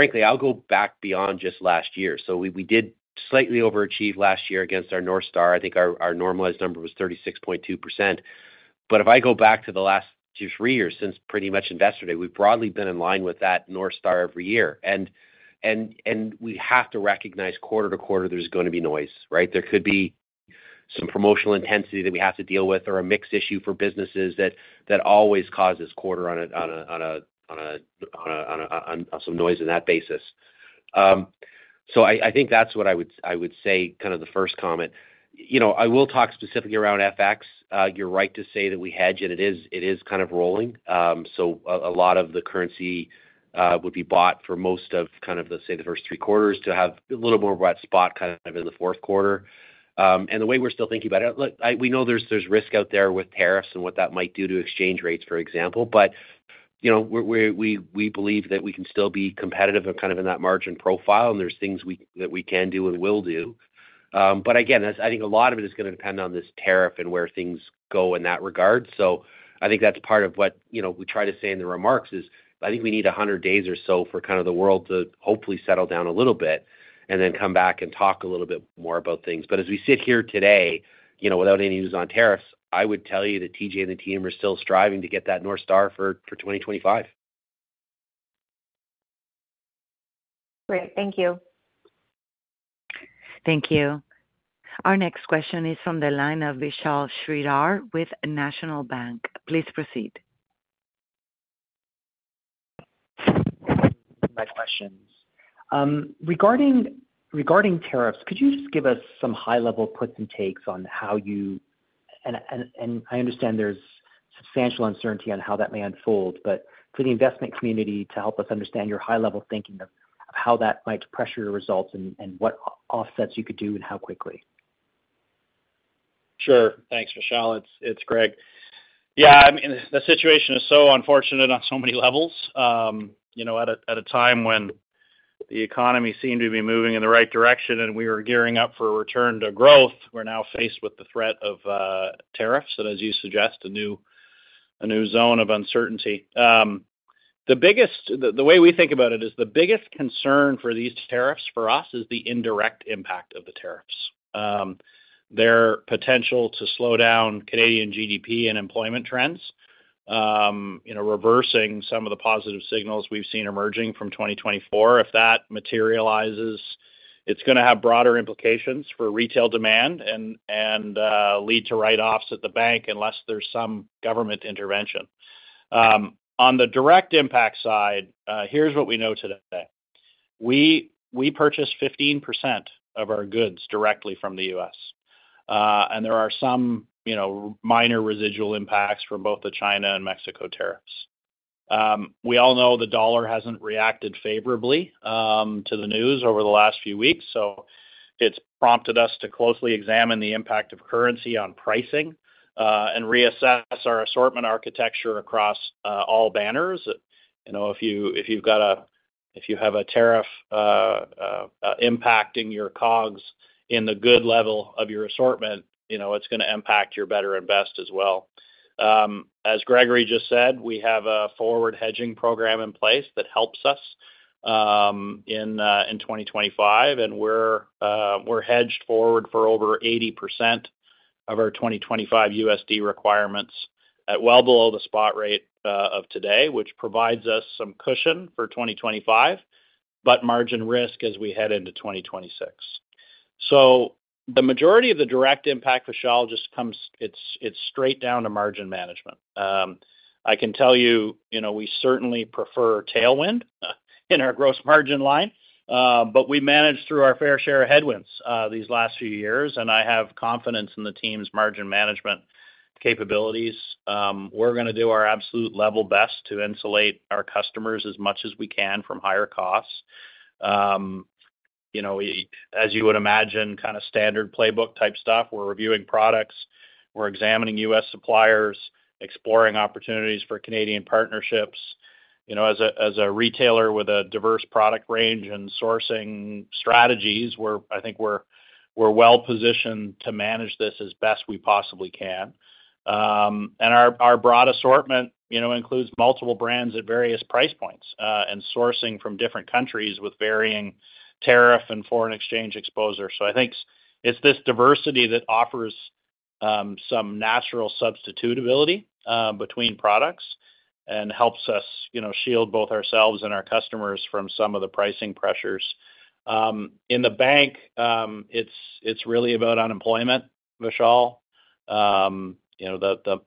frankly, I'll go back beyond just last year. So we did slightly overachieve last year against our North Star. I think our normalized number was 36.2%. But if I go back to the last two to three years since pretty much investor day, we've broadly been in line with that North Star every year. And we have to recognize quarter to quarter, there's going to be noise, right? There could be some promotional intensity that we have to deal with or a mixed issue for businesses that always causes quarter on some noise on that basis. So I think that's what I would say kind of the first comment. I will talk specifically around FX. You're right to say that we hedge, and it is kind of rolling. So a lot of the currency would be bought for most of, kind of, let's say, the first three quarters to have a little more of a wet spot kind of in the fourth quarter. And the way we're still thinking about it, we know there's risk out there with tariffs and what that might do to exchange rates, for example. But we believe that we can still be competitive and kind of in that margin profile, and there's things that we can do and will do. But again, I think a lot of it is going to depend on this tariff and where things go in that regard. So, I think that's part of what we try to say in the remarks, is I think we need 100 days or so for kind of the world to hopefully settle down a little bit and then come back and talk a little bit more about things. But as we sit here today, without any news on tariffs, I would tell you that TJ and the team are still striving to get that North Star for 2025. Great. Thank you. Thank you. Our next question is from the line of Vishal Shreedhar with National Bank. Please proceed. My questions. Regarding tariffs, could you just give us some high-level puts and takes on how you, and I understand there's substantial uncertainty on how that may unfold, but for the investment community to help us understand your high-level thinking of how that might pressure your results and what offsets you could do and how quickly? Sure. Thanks, Vishal. It's Greg. Yeah. I mean, the situation is so unfortunate on so many levels. At a time when the economy seemed to be moving in the right direction and we were gearing up for a return to growth, we're now faced with the threat of tariffs and, as you suggest, a new zone of uncertainty. The way we think about it is the biggest concern for these tariffs for us is the indirect impact of the tariffs. Their potential to slow down Canadian GDP and employment trends, reversing some of the positive signals we've seen emerging from 2024, if that materializes, it's going to have broader implications for retail demand and lead to write-offs at the bank unless there's some government intervention. On the direct impact side, here's what we know today. We purchase 15% of our goods directly from the U.S. And there are some minor residual impacts from both the China and Mexico tariffs. We all know the dollar hasn't reacted favorably to the news over the last few weeks. So it's prompted us to closely examine the impact of currency on pricing and reassess our assortment architecture across all banners. If you have a tariff impacting your COGS in the good level of your assortment, it's going to impact your better and best as well. As Gregory just said, we have a forward hedging program in place that helps us in 2025. And we're hedged forward for over 80% of our 2025 USD requirements at well below the spot rate of today, which provides us some cushion for 2025, but margin risk as we head into 2026. So the majority of the direct impact, Vishal, just comes. It's straight down to margin management. I can tell you we certainly prefer tailwind in our gross margin line, but we managed through our fair share of headwinds these last few years. And I have confidence in the team's margin management capabilities. We're going to do our absolute level best to insulate our customers as much as we can from higher costs. As you would imagine, kind of standard playbook type stuff. We're reviewing products. We're examining U.S .suppliers, exploring opportunities for Canadian partnerships. As a retailer with a diverse product range and sourcing strategies, I think we're well-positioned to manage this as best we possibly can, and our broad assortment includes multiple brands at various price points and sourcing from different countries with varying tariff and foreign exchange exposure, so I think it's this diversity that offers some natural substitutability between products and helps us shield both ourselves and our customers from some of the pricing pressures. In the bank, it's really about unemployment, Vishal. The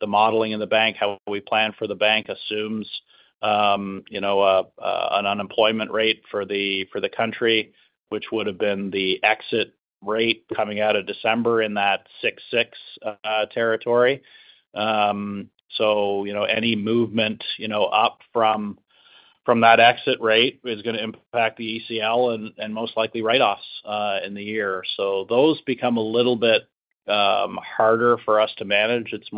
modeling in the bank, how we plan for the bank, assumes an unemployment rate for the country, which would have been the exit rate coming out of December in that 6.6 territory, so any movement up from that exit rate is going to impact the ECL and most likely write-offs in the year, so those become a little bit harder for us to manage. It's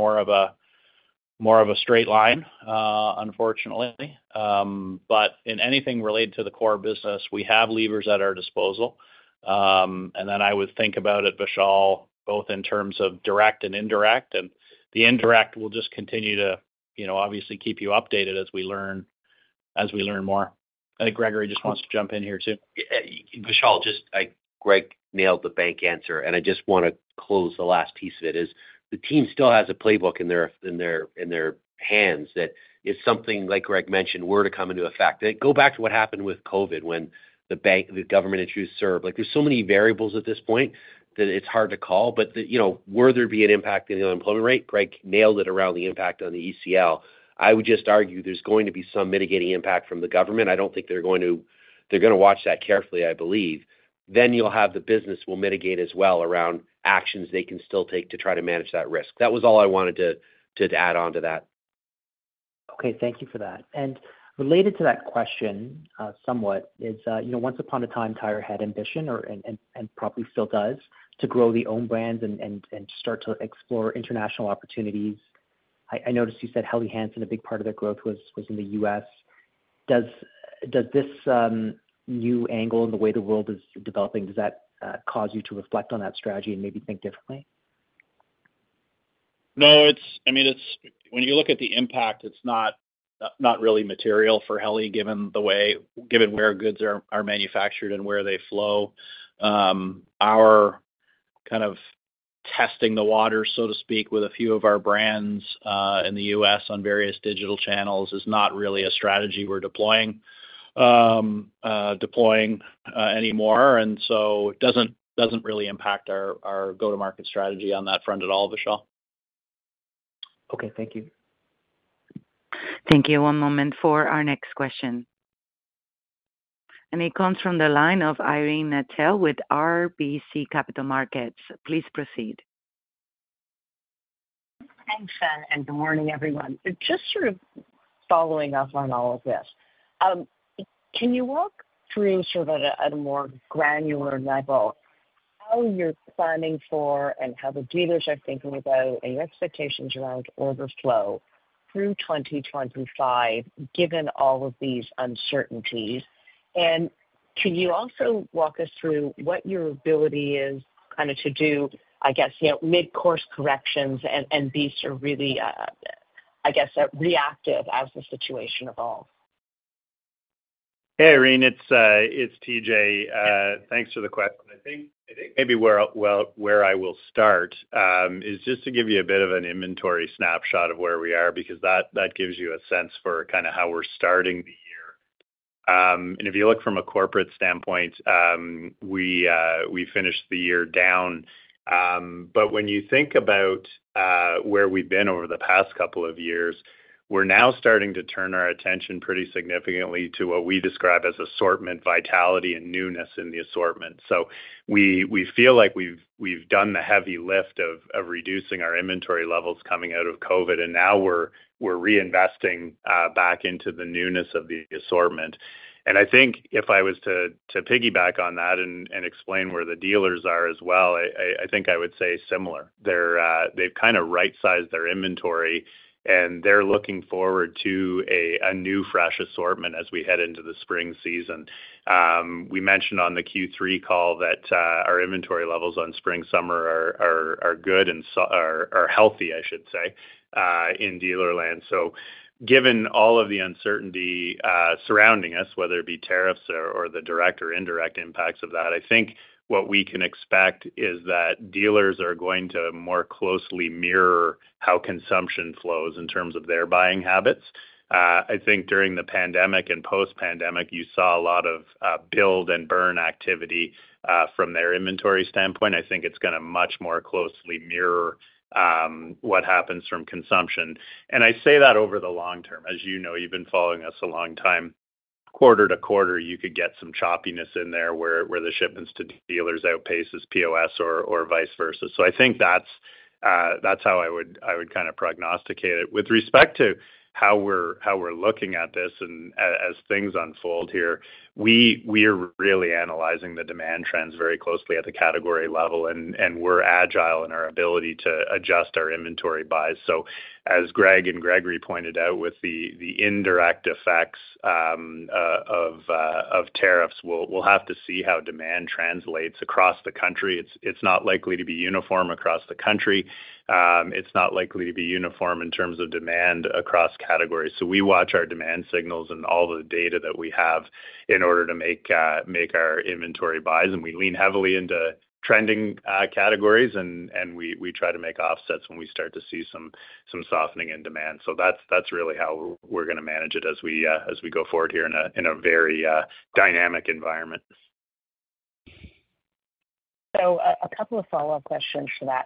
more of a straight line, unfortunately. But in anything related to the core business, we have levers at our disposal. And then I would think about it, Vishal, both in terms of direct and indirect. And the indirect will just continue to obviously keep you updated as we learn more. I think Gregory just wants to jump in here too. Vishal, Greg nailed the bank answer. And I just want to close the last piece of it. The team still has a playbook in their hands that if something, like Greg mentioned, were to come into effect, go back to what happened with COVID when the government issued CERB. There's so many variables at this point that it's hard to call. But would there be an impact in the unemployment rate? Greg nailed it around the impact on the ECL. I would just argue there's going to be some mitigating impact from the government. I don't think they're going to watch that carefully, I believe. Then you'll have the business will mitigate as well around actions they can still take to try to manage that risk. That was all I wanted to add on to that. Okay. Thank you for that. And related to that question somewhat is, once upon a time, Tire had ambition and probably still does to grow the own brands and start to explore international opportunities. I noticed you said Helly Hansen, a big part of their growth was in the US. Does this new angle in the way the world is developing, does that cause you to reflect on that strategy and maybe think differently? No. I mean, when you look at the impact, it's not really material for Helly given where goods are manufactured and where they flow. Our kind of testing the waters, so to speak, with a few of our brands in the U.S. on various digital channels is not really a strategy we're deploying anymore. And so it doesn't really impact our go-to-market strategy on that front at all, Vishal. Okay. Thank you. Thank you. One moment for our next question. And it comes from the line of Irene Nattel with RBC Capital Markets. Please proceed. Thanks, Shen. And good morning, everyone. Just sort of following up on all of this, can you walk through sort of at a more granular level how you're planning for and how the dealers are thinking about and your expectations around order flow through 2025 given all of these uncertainties? And can you also walk us through what your ability is kind of to do, I guess, mid-course corrections and be sort of really, I guess, reactive as the situation evolves? Hey, Irene. It's TJ. Thanks for the question. I think maybe where I will start is just to give you a bit of an inventory snapshot of where we are because that gives you a sense for kind of how we're starting the year. And if you look from a corporate standpoint, we finished the year down. But when you think about where we've been over the past couple of years, we're now starting to turn our attention pretty significantly to what we describe as assortment vitality and newness in the assortment. So we feel like we've done the heavy lift of reducing our inventory levels coming out of COVID. Now we're reinvesting back into the newness of the assortment. I think if I was to piggyback on that and explain where the dealers are as well, I think I would say similar. They've kind of right-sized their inventory, and they're looking forward to a new fresh assortment as we head into the spring season. We mentioned on the Q3 call that our inventory levels on spring, summer are good and are healthy, I should say, in dealer land. Given all of the uncertainty surrounding us, whether it be tariffs or the direct or indirect impacts of that, I think what we can expect is that dealers are going to more closely mirror how consumption flows in terms of their buying habits. I think during the pandemic and post-pandemic, you saw a lot of build and burn activity from their inventory standpoint. I think it's going to much more closely mirror what happens from consumption. And I say that over the long term. As you know, you've been following us a long time. Quarter to quarter, you could get some choppiness in there where the shipments to dealers outpace as POS or vice versa. So I think that's how I would kind of prognosticate it. With respect to how we're looking at this and as things unfold here, we are really analyzing the demand trends very closely at the category level. And we're agile in our ability to adjust our inventory buys. So as Greg and Gregory pointed out with the indirect effects of tariffs, we'll have to see how demand translates across the country. It's not likely to be uniform across the country. It's not likely to be uniform in terms of demand across categories. We watch our demand signals and all the data that we have in order to make our inventory buys, and we lean heavily into trending categories, and we try to make offsets when we start to see some softening in demand. That's really how we're going to manage it as we go forward here in a very dynamic environment. A couple of follow-up questions for that.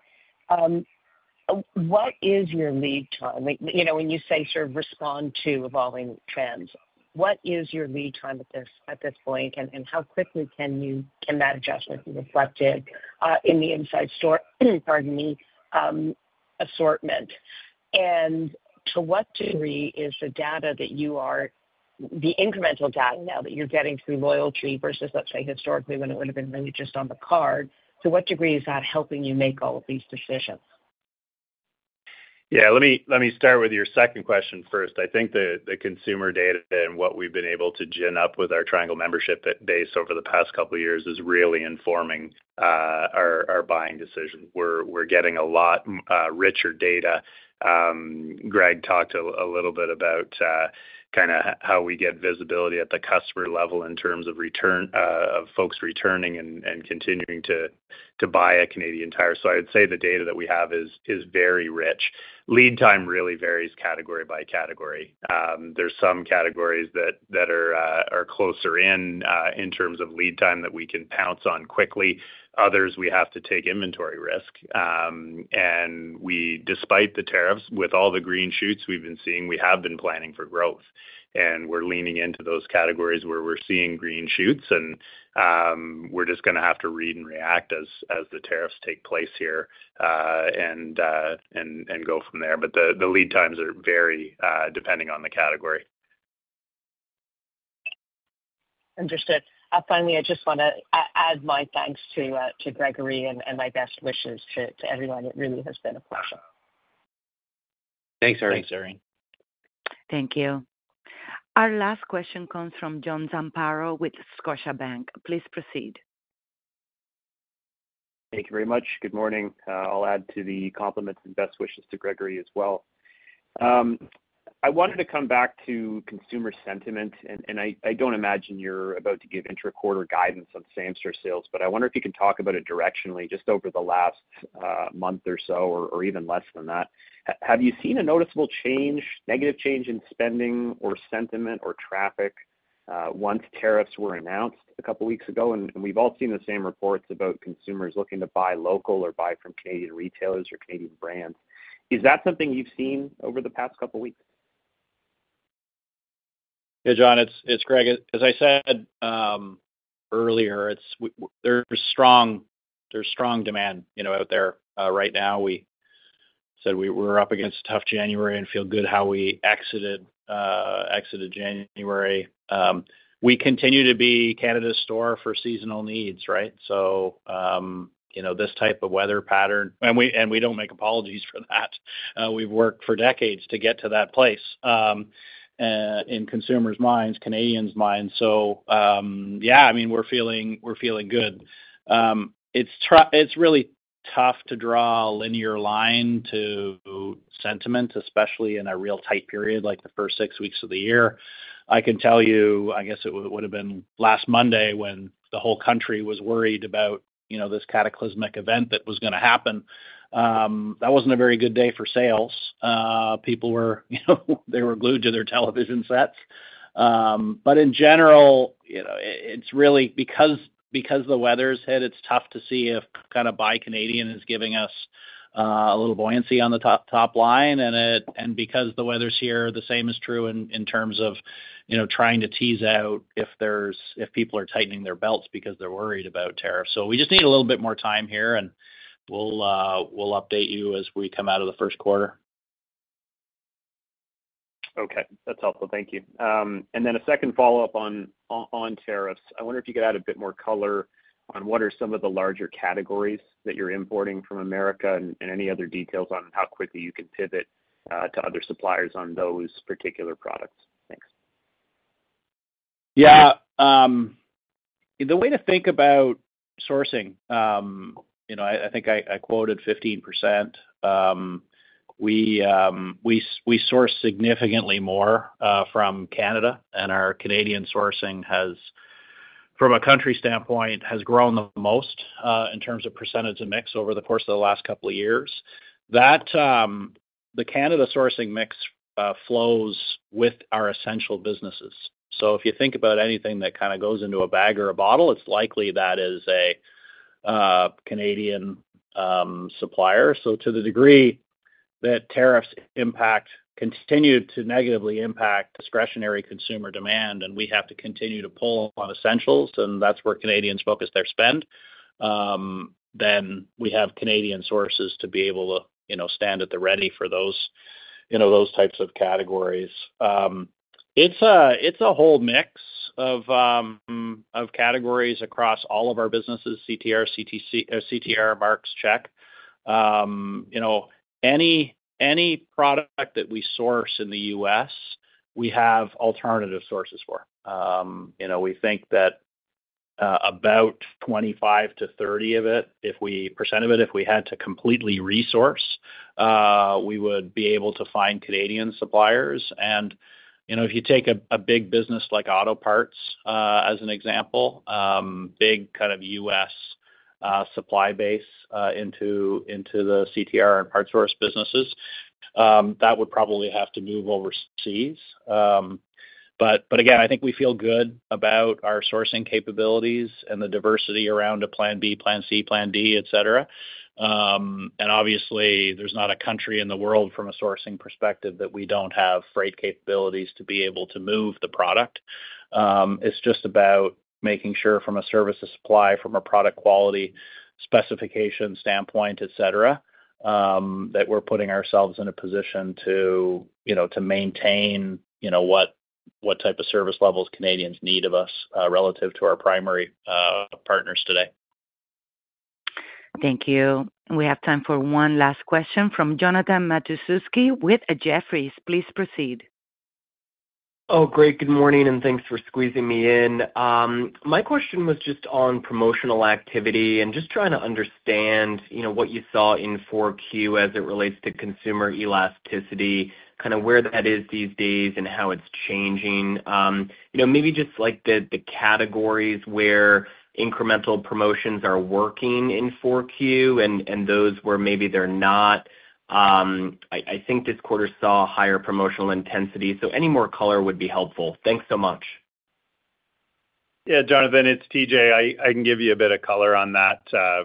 What is your lead time? When you say sort of respond to evolving trends, what is your lead time at this point? And how quickly can that adjustment be reflected in the inside store, pardon me, assortment? And to what degree is the incremental data now that you're getting through loyalty versus, let's say, historically when it would have been really just on the card, to what degree is that helping you make all of these decisions? Yeah. Let me start with your second question first. I think the consumer data and what we've been able to gin up with our Triangle membership base over the past couple of years is really informing our buying decision. We're getting a lot richer data. Greg talked a little bit about kind of how we get visibility at the customer level in terms of folks returning and continuing to buy a Canadian Tire. So I would say the data that we have is very rich. Lead time really varies category by category. There's some categories that are closer in terms of lead time that we can pounce on quickly. Others, we have to take inventory risk. And despite the tariffs, with all the green shoots we've been seeing, we have been planning for growth. And we're leaning into those categories where we're seeing green shoots. We're just going to have to read and react as the tariffs take place here and go from there. The lead times are very dependent on the category. Understood. Finally, I just want to add my thanks to Gregory and my best wishes to everyone. It really has been a pleasure. Thanks, Irene. Thank you. Our last question comes from John Zamparo with Scotiabank. Please proceed. Thank you very much. Good morning. I'll add to the compliments and best wishes to Gregory as well. I wanted to come back to consumer sentiment. I don't imagine you're about to give intra-quarter guidance on same-store sales. I wonder if you can talk about it directionally just over the last month or so, or even less than that. Have you seen a noticeable change, negative change in spending or sentiment or traffic once tariffs were announced a couple of weeks ago? And we've all seen the same reports about consumers looking to buy local or buy from Canadian retailers or Canadian brands. Is that something you've seen over the past couple of weeks? Yeah, John, it's Greg. As I said earlier, there's strong demand out there right now. We said we were up against a tough January and feel good how we exited January. We continue to be Canada's store for seasonal needs, right? So this type of weather pattern, and we don't make apologies for that. We've worked for decades to get to that place in consumers' minds, Canadians' minds. So yeah, I mean, we're feeling good. It's really tough to draw a linear line to sentiment, especially in a real tight period like the first six weeks of the year. I can tell you, I guess it would have been last Monday when the whole country was worried about this cataclysmic event that was going to happen. That wasn't a very good day for sales. People were, they were glued to their television sets, but in general, it's really because the weather's hit, it's tough to see if kind of buy Canadian is giving us a little buoyancy on the top line, and because the weather's here, the same is true in terms of trying to tease out if people are tightening their belts because they're worried about tariffs, so we just need a little bit more time here, and we'll update you as we come out of the first quarter. Okay. That's helpful. Thank you. And then a second follow-up on tariffs. I wonder if you could add a bit more color on what are some of the larger categories that you're importing from America and any other details on how quickly you can pivot to other suppliers on those particular products. Yeah. The way to think about sourcing, I think I quoted 15%. We source significantly more from Canada. And our Canadian sourcing, from a country standpoint, has grown the most in terms of percentage and mix over the course of the last couple of years. The Canada sourcing mix flows with our essential businesses. So if you think about anything that kind of goes into a bag or a bottle, it's likely that is a Canadian supplier. So to the degree that tariffs continue to negatively impact discretionary consumer demand and we have to continue to pull on essentials, and that's where Canadians focus their spend, then we have Canadian sources to be able to stand at the ready for those types of categories. It's a whole mix of categories across all of our businesses: CTR, CTR, Mark's, Sport Chek. Any product that we source in the US, we have alternative sources for. We think that about 25%-30% of it, if we had to completely resource, we would be able to find Canadian suppliers. And if you take a big business like auto parts as an example, big kind of U.S. supply base into the CTR and PartSource businesses, that would probably have to move overseas. But again, I think we feel good about our sourcing capabilities and the diversity around a plan B, plan C, plan D, etc. And obviously, there's not a country in the world from a sourcing perspective that we don't have freight capabilities to be able to move the product. It's just about making sure from a service to supply, from a product quality specification standpoint, etc., that we're putting ourselves in a position to maintain what type of service levels Canadians need of us relative to our primary partners today. Thank you. We have time for one last question from Jonathan Matuszewski with Jefferies. Please proceed. Oh, great. Good morning. And thanks for squeezing me in. My question was just on promotional activity and just trying to understand what you saw in 4Q as it relates to consumer elasticity, kind of where that is these days and how it's changing. Maybe just the categories where incremental promotions are working in 4Q and those where maybe they're not. I think this quarter saw higher promotional intensity. So any more color would be helpful. Thanks so much. Yeah, Jonathan, it's TJ. I can give you a bit of color on that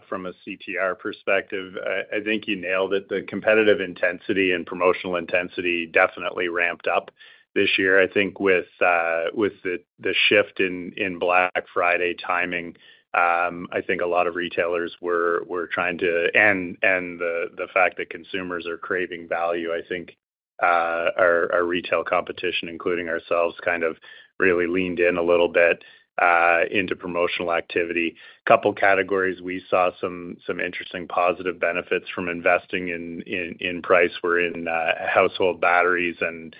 from a CTR perspective. I think you nailed it. The competitive intensity and promotional intensity definitely ramped up this year. I think with the shift in Black Friday timing, I think a lot of retailers were trying to, and the fact that consumers are craving value, I think our retail competition, including ourselves, kind of really leaned in a little bit into promotional activity. A couple of categories we saw some interesting positive benefits from investing in price. We saw in household batteries and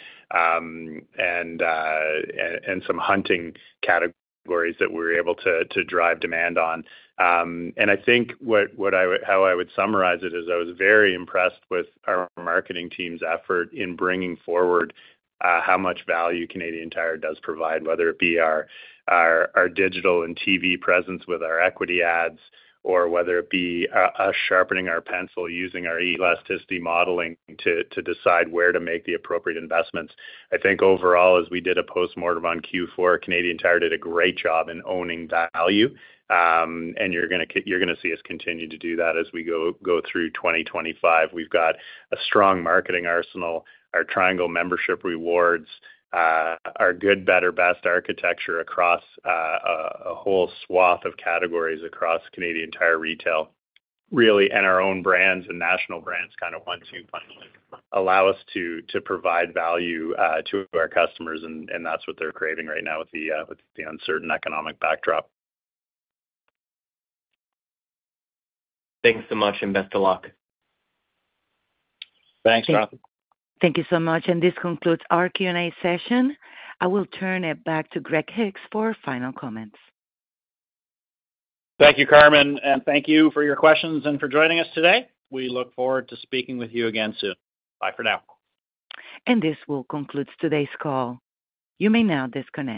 some hunting categories that we were able to drive demand on. I think how I would summarize it is I was very impressed with our marketing team's effort in bringing forward how much value Canadian Tire does provide, whether it be our digital and TV presence with our equity ads or whether it be sharpening our pencil using our elasticity modeling to decide where to make the appropriate investments. I think overall, as we did a post-mortem on Q4, Canadian Tire did a great job in owning value. You're going to see us continue to do that as we go through 2025. We've got a strong marketing arsenal, our Triangle membership rewards, our good, better, best architecture across a whole swath of categories across Canadian Tire Retail, really, and our own brands and national brands kind of once you finally allow us to provide value to our customers. And that's what they're craving right now with the uncertain economic backdrop. Thanks so much and best of luck. Thanks, John. Thank you so much. And this concludes our Q&A session. I will turn it back to Greg Hicks for final comments. Thank you, Carmen. And thank you for your questions and for joining us today. We look forward to speaking with you again soon. Bye for now. And this will conclude today's call. You may now disconnect.